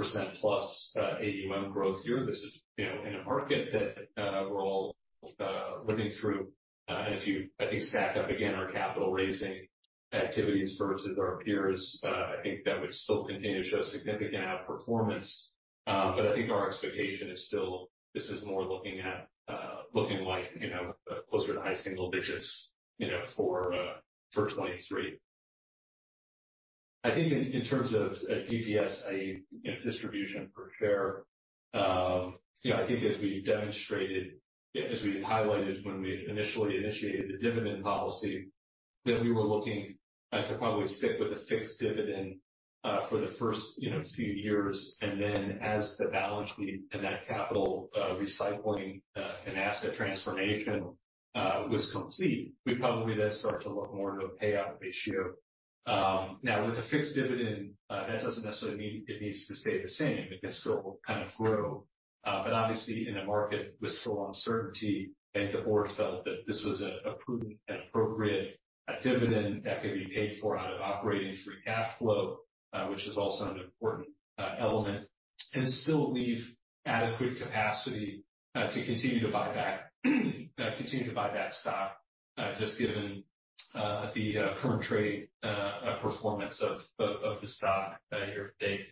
AUM growth year. This is, you know, in a market that we're all living through. If you, I think, stack up again our capital raising activities versus our peers, I think that would still continue to show significant outperformance. I think our expectation is still this is more looking at, looking like, you know, closer to high single digits, you know, for, for 2023. I think in, in terms of DPS, i.e., you know, distribution per share, you know, I think as we demonstrated, as we highlighted when we initially initiated the dividend policy, that we were looking, to probably stick with a fixed dividend, for the first, you know, few years. As the balance sheet and that capital, recycling, and asset transformation, was complete, we'd probably then start to look more into a payout ratio.... Now with a fixed dividend, that doesn't necessarily mean it needs to stay the same. It can still kind of grow. Obviously in a market with still uncertainty, the board felt that this was a prudent and appropriate dividend that could be paid for out of operating free cash flow, which is also an important element, and still leave adequate capacity to continue to buy back, continue to buy back stock, just given t1:48he current trade performance of the stock year-to-date.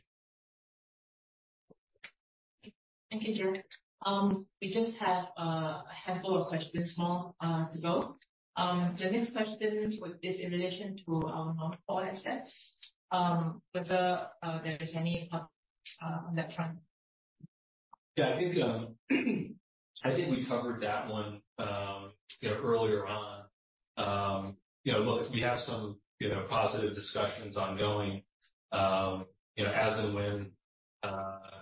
Thank you, Jeff. We just have a handful of questions more to go. The next question is with this in relation to our non-core assets, whether there is any update on that front? Yeah, I think, I think we covered that one, you know, earlier on. You know, look, we have some, you know, positive discussions ongoing. You know, as and when,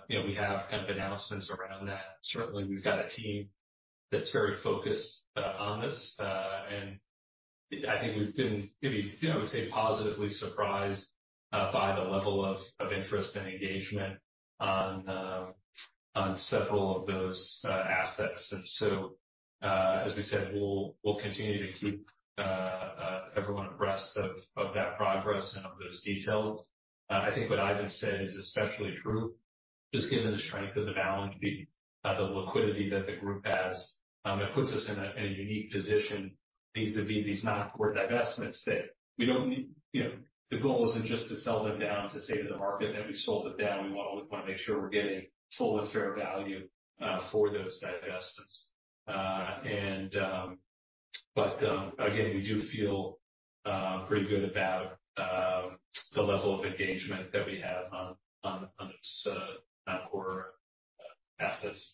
you know, we have kind of announcements around that. Certainly, we've got a team that's very focused on this. I think we've been, maybe, you know, I would say, positively surprised by the level of, of interest and engagement on several of those assets. As we said, we'll, we'll continue to keep everyone abreast of that progress and of those details. I think what Ivan said is especially true, just given the strength of the balance sheet, the liquidity that the group has, it puts us in a unique position. These would be these non-core divestments that we don't need. You know, the goal isn't just to sell them down, to say to the market that we sold it down. We wanna, we wanna make sure we're getting full and fair value for those divestments. Again, we do feel pretty good about the level of engagement that we have on, on, on those non-core assets.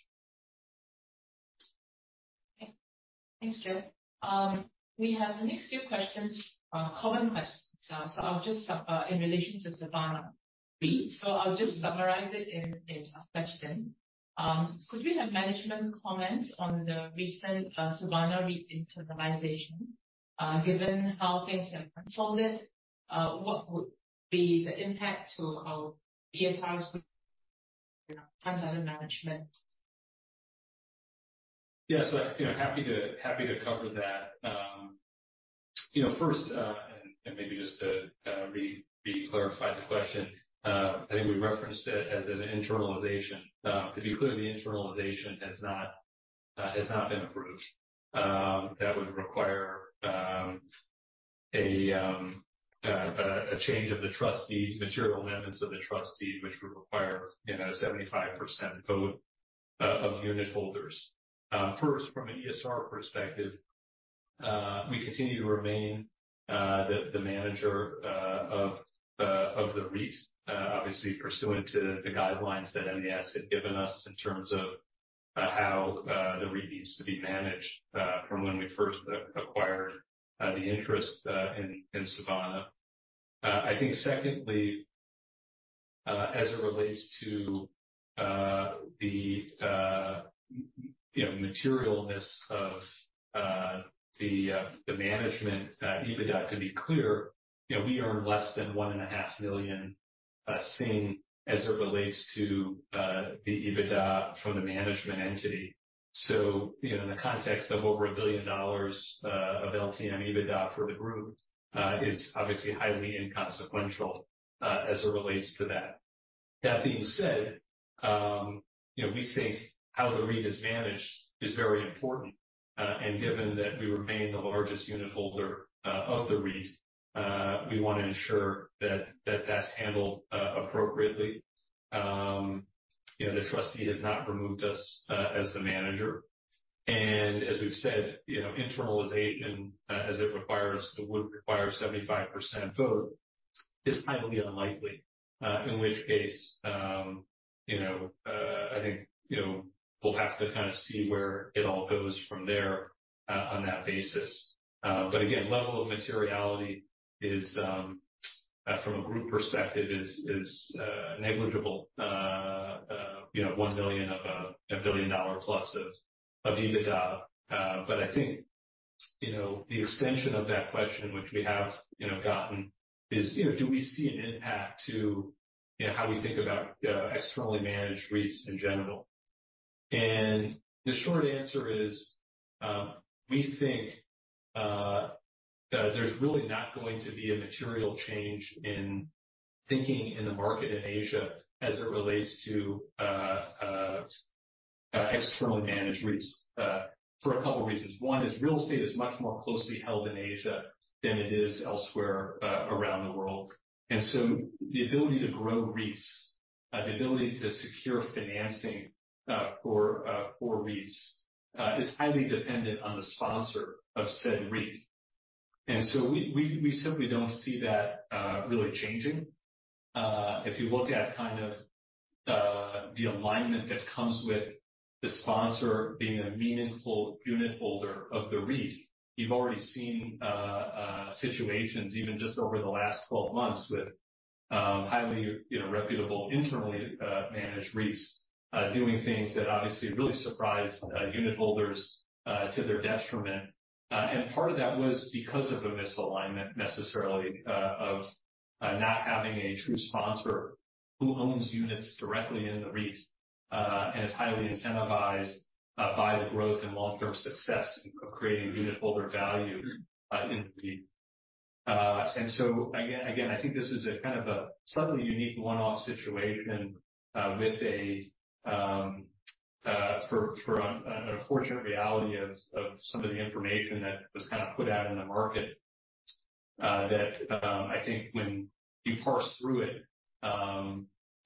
Okay. Thanks, Jeff. We have the next few questions, common questions. I'll just, in relation to Sabana REIT. I'll just summarize it in a question. Could we have management comment on the recent Sabana REIT internalization? Given how things have unfolded, what would be the impact to our ESR's fee management? Yes, you know, happy to, happy to cover that. You know, first, and, and maybe just to re, re-clarify the question, I think we referenced it as an internalization. To be clear, the internalization has not, has not been approved. That would require a, a, a change of the trustee, material amendments of the trustee, which would require, you know, a 75% vote of unitholders. First, from an ESR perspective, we continue to remain the, the manager of, of the REIT, obviously pursuant to the guidelines that MAS had given us in terms of how the REIT needs to be managed from when we first ac-acquired the interest in Sabana. I think secondly, as it relates to the, you know, materialness of the management EBITDA, to be clear, you know, we earn less than 1.5 million, as it relates to the EBITDA from the management entity. So, you know, in the context of over $1 billion of LTM EBITDA for the group, is obviously highly inconsequential as it relates to that. That being said, you know, we think how the REIT is managed is very important, and given that we remain the largest unitholder of the REIT, we want to ensure that, that that's handled appropriately. You know, the trustee has not removed us as the manager. As we've said, you know, internalization, as it requires, it would require 75% vote, is highly unlikely. In which case, you know, I think, you know, we'll have to kind of see where it all goes from there, on that basis. But again, level of materiality is, from a group perspective, is, is, negligible, you know, $1 million of a, $1 billion plus of, of EBITDA. But I think, you know, the extension of that question, which we have, you know, gotten, is, you know, do we see an impact to, you know, how we think about, externally managed REITs in general? The short answer is, we think that there's really not going to be a material change in thinking in the market in Asia as it relates to externally managed REITs for a couple reasons. One, is real estate is much more closely held in Asia than it is elsewhere around the world. So the ability to grow REITs, the ability to secure financing for for REITs, is highly dependent on the sponsor of said REIT. So we, we, we simply don't see that really changing. If you look at kind of the alignment that comes with the sponsor being a meaningful unitholder of the REIT, you've already seen situations even just over the last 12 months. Highly, you know, reputable, internally, managed REITs, doing things that obviously really surprised unitholders to their detriment. Part of that was because of the misalignment necessarily of not having a true sponsor who owns units directly in the REIT, and is highly incentivized by the growth and long-term success of creating unitholder value in the REIT. Again, again, I think this is a kind of a subtly unique one-off situation, with an unfortunate reality of some of the information that was kind of put out in the market. That, I think when you parse through it,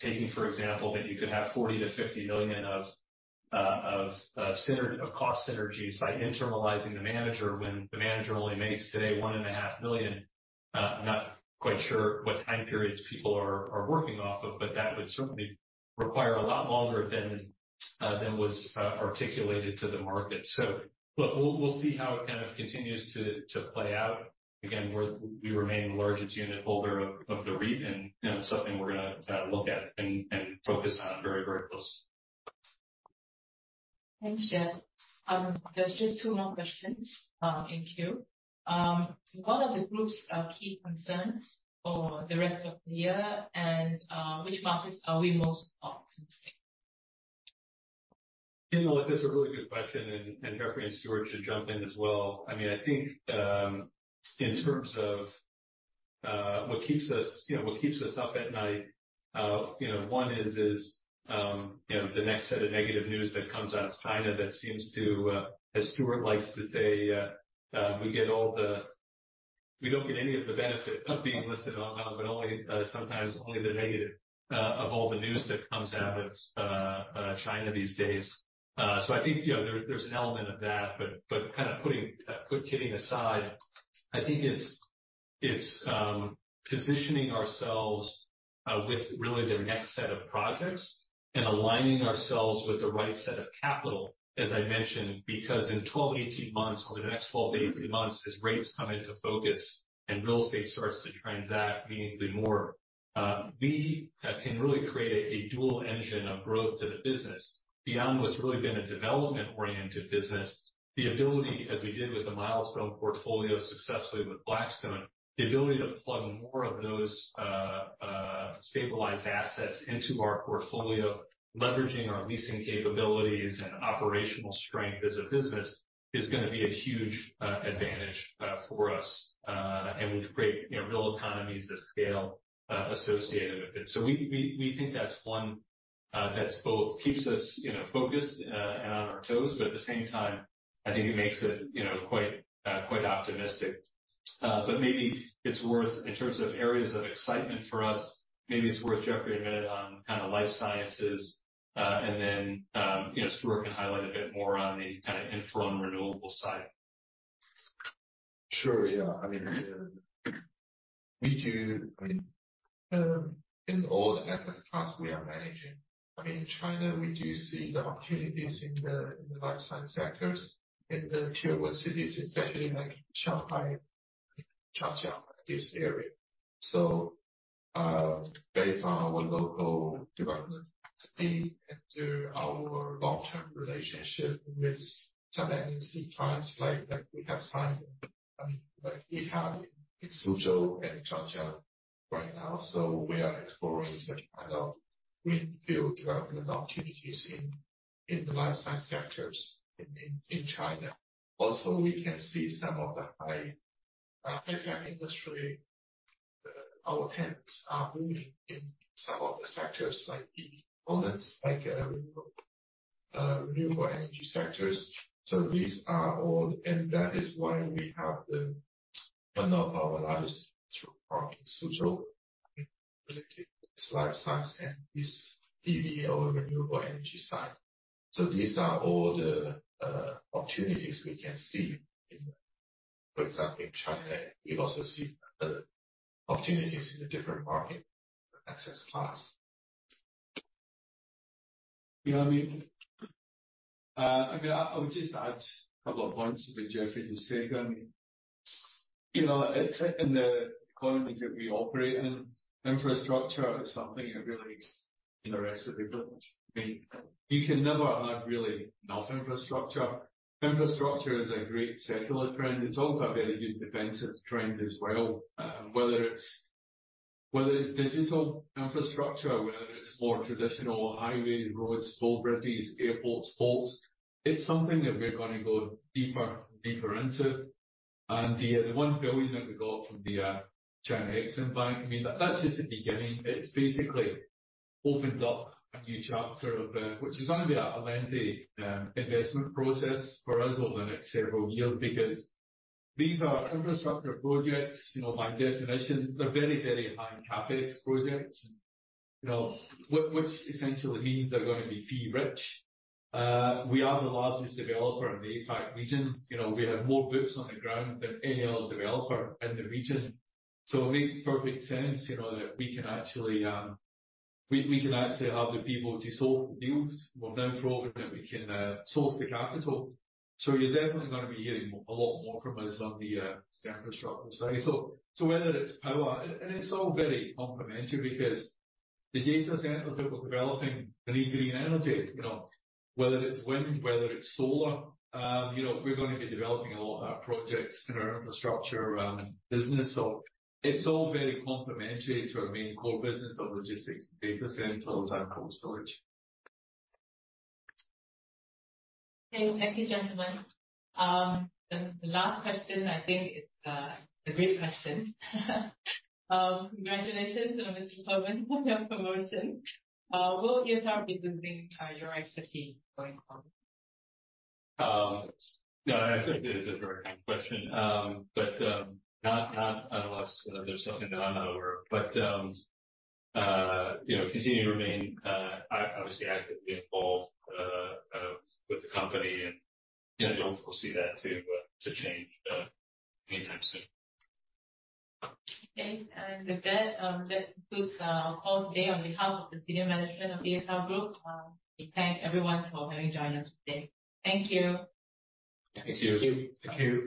taking, for example, that you could have $40 million-$50 million of cost synergies by internalizing the manager, when the manager only makes today $1.5 million. I'm not quite sure what time periods people are, are working off of, but that would certainly require a lot longer than, than was, articulated to the market. Look, we'll, we'll see how it kind of continues to, to play out. Again, we remain the largest unitholder of the REIT and, you know, something we're gonna look at and, and focus on very, very closely. Thanks, Jeff. There's just 2 more questions in queue. What are the group's key concerns for the rest of the year? Which markets are we most optimistic? You know what, that's a really good question, and Jeffrey and Stuart should jump in as well. I mean, I think, in terms of what keeps us, you know, what keeps us up at night, you know, one is, is, you know, the next set of negative news that comes out of China that seems to, as Stuart likes to say, we don't get any of the benefit of being listed on, but only sometimes only the negative of all the news that comes out of China these days. I think, you know, there's, there's an element of that. But kind of putting kidding aside, I think it's, it's positioning ourselves with really the next set of projects and aligning ourselves with the right set of capital, as I mentioned, because in 12, 18 months, over the next 12 to 18 months, as rates come into focus and real estate starts to transact meaningfully more, we can really create a dual engine of growth to the business beyond what's really been a development-oriented business. The ability, as we did with the Milestone Portfolio successfully with Blackstone, the ability to plug more of those stabilized assets into our portfolio, leveraging our leasing capabilities and operational strength as a business, is gonna be a huge advantage for us. We create, you know, real economies of scale associated with it. We, we, we think that's one, that's both keeps us, you know, focused, and on our toes, but at the same time, I think it makes it, you know, quite, quite optimistic. Maybe it's worth in terms of areas of excitement for us, maybe it's worth Jeffrey admitting on kind of life sciences, and then, you know, Stuart can highlight a bit more on the kind of infra and renewable side. Sure. Yeah. I mean, I mean, in all the asset class we are managing, I mean, in China, we do see the opportunities in the, in the life science sectors, in the Tier 1 cities especially like Shanghai, Shenzhen, this area. Based on our local development activity and through our long-term relationship with some MNC clients like, like we have signed, like we have in Suzhou and Shenzhen right now. We are exploring such kind of greenfield development opportunities in, in the life science sectors in, in China. We can see some of the high, high-tech industry, our tenants are moving in some of the sectors, like the components, like, renewable energy sectors. These are all... That is why we have the one of our largest park in Suzhou, related to life science and this PV renewable energy side. These are all the opportunities we can see in, for example, in China. We also see the opportunities in the different market access class. I mean, I mean, I would just add a couple of points to what Jeffrey just said. I mean, you know, in the economies that we operate in, infrastructure is something that really in the rest of the world. I mean, you can never have really enough infrastructure. Infrastructure is a great secular trend. It's also a very good defensive trend as well. Whether it's digital infrastructure, whether it's more traditional, highways, roads, toll bridges, airports, ports, it's something that we're going to go deeper and deeper into. The $1 billion that we got from the Export-Import Bank of China, I mean, that's just the beginning. It's basically opened up a new chapter of which is going to be a lengthy investment process for us over the next several years, because these are infrastructure projects, you know, by definition, they're very, very high CapEx projects. You know, which, which essentially means they're going to be fee rich. We are the largest developer in the APAC region. You know, we have more boots on the ground than any other developer in the region. So it makes perfect sense, you know, that we can actually, we, we can actually have the people to source the deals. We've now proven that we can source the capital. So you're definitely going to be hearing a lot more from us on the infrastructure side. So, so whether it's power... It's all very complementary because the data centers that we're developing, they need green energy. You know, whether it's wind, whether it's solar, you know, we're going to be developing a lot of projects in our infrastructure, business. It's all very complementary to our main core business of logistics, data centers, and cold storage. Okay. Thank you, gentlemen. The last question, I think, is a great question. Congratulations to Mr. Perlman for your promotion. Will ESR be keeping your equity going forward? Yeah, I think this is a very kind question. Not, not unless there's something that I'm aware of. You know, continue to remain, obviously actively involved, with the company, and, you know, I don't foresee that to change anytime soon. Okay. With that, let's conclude our call today on behalf of the senior management of ESR Group, we thank everyone for having joined us today. Thank you. Thank you. Thank you.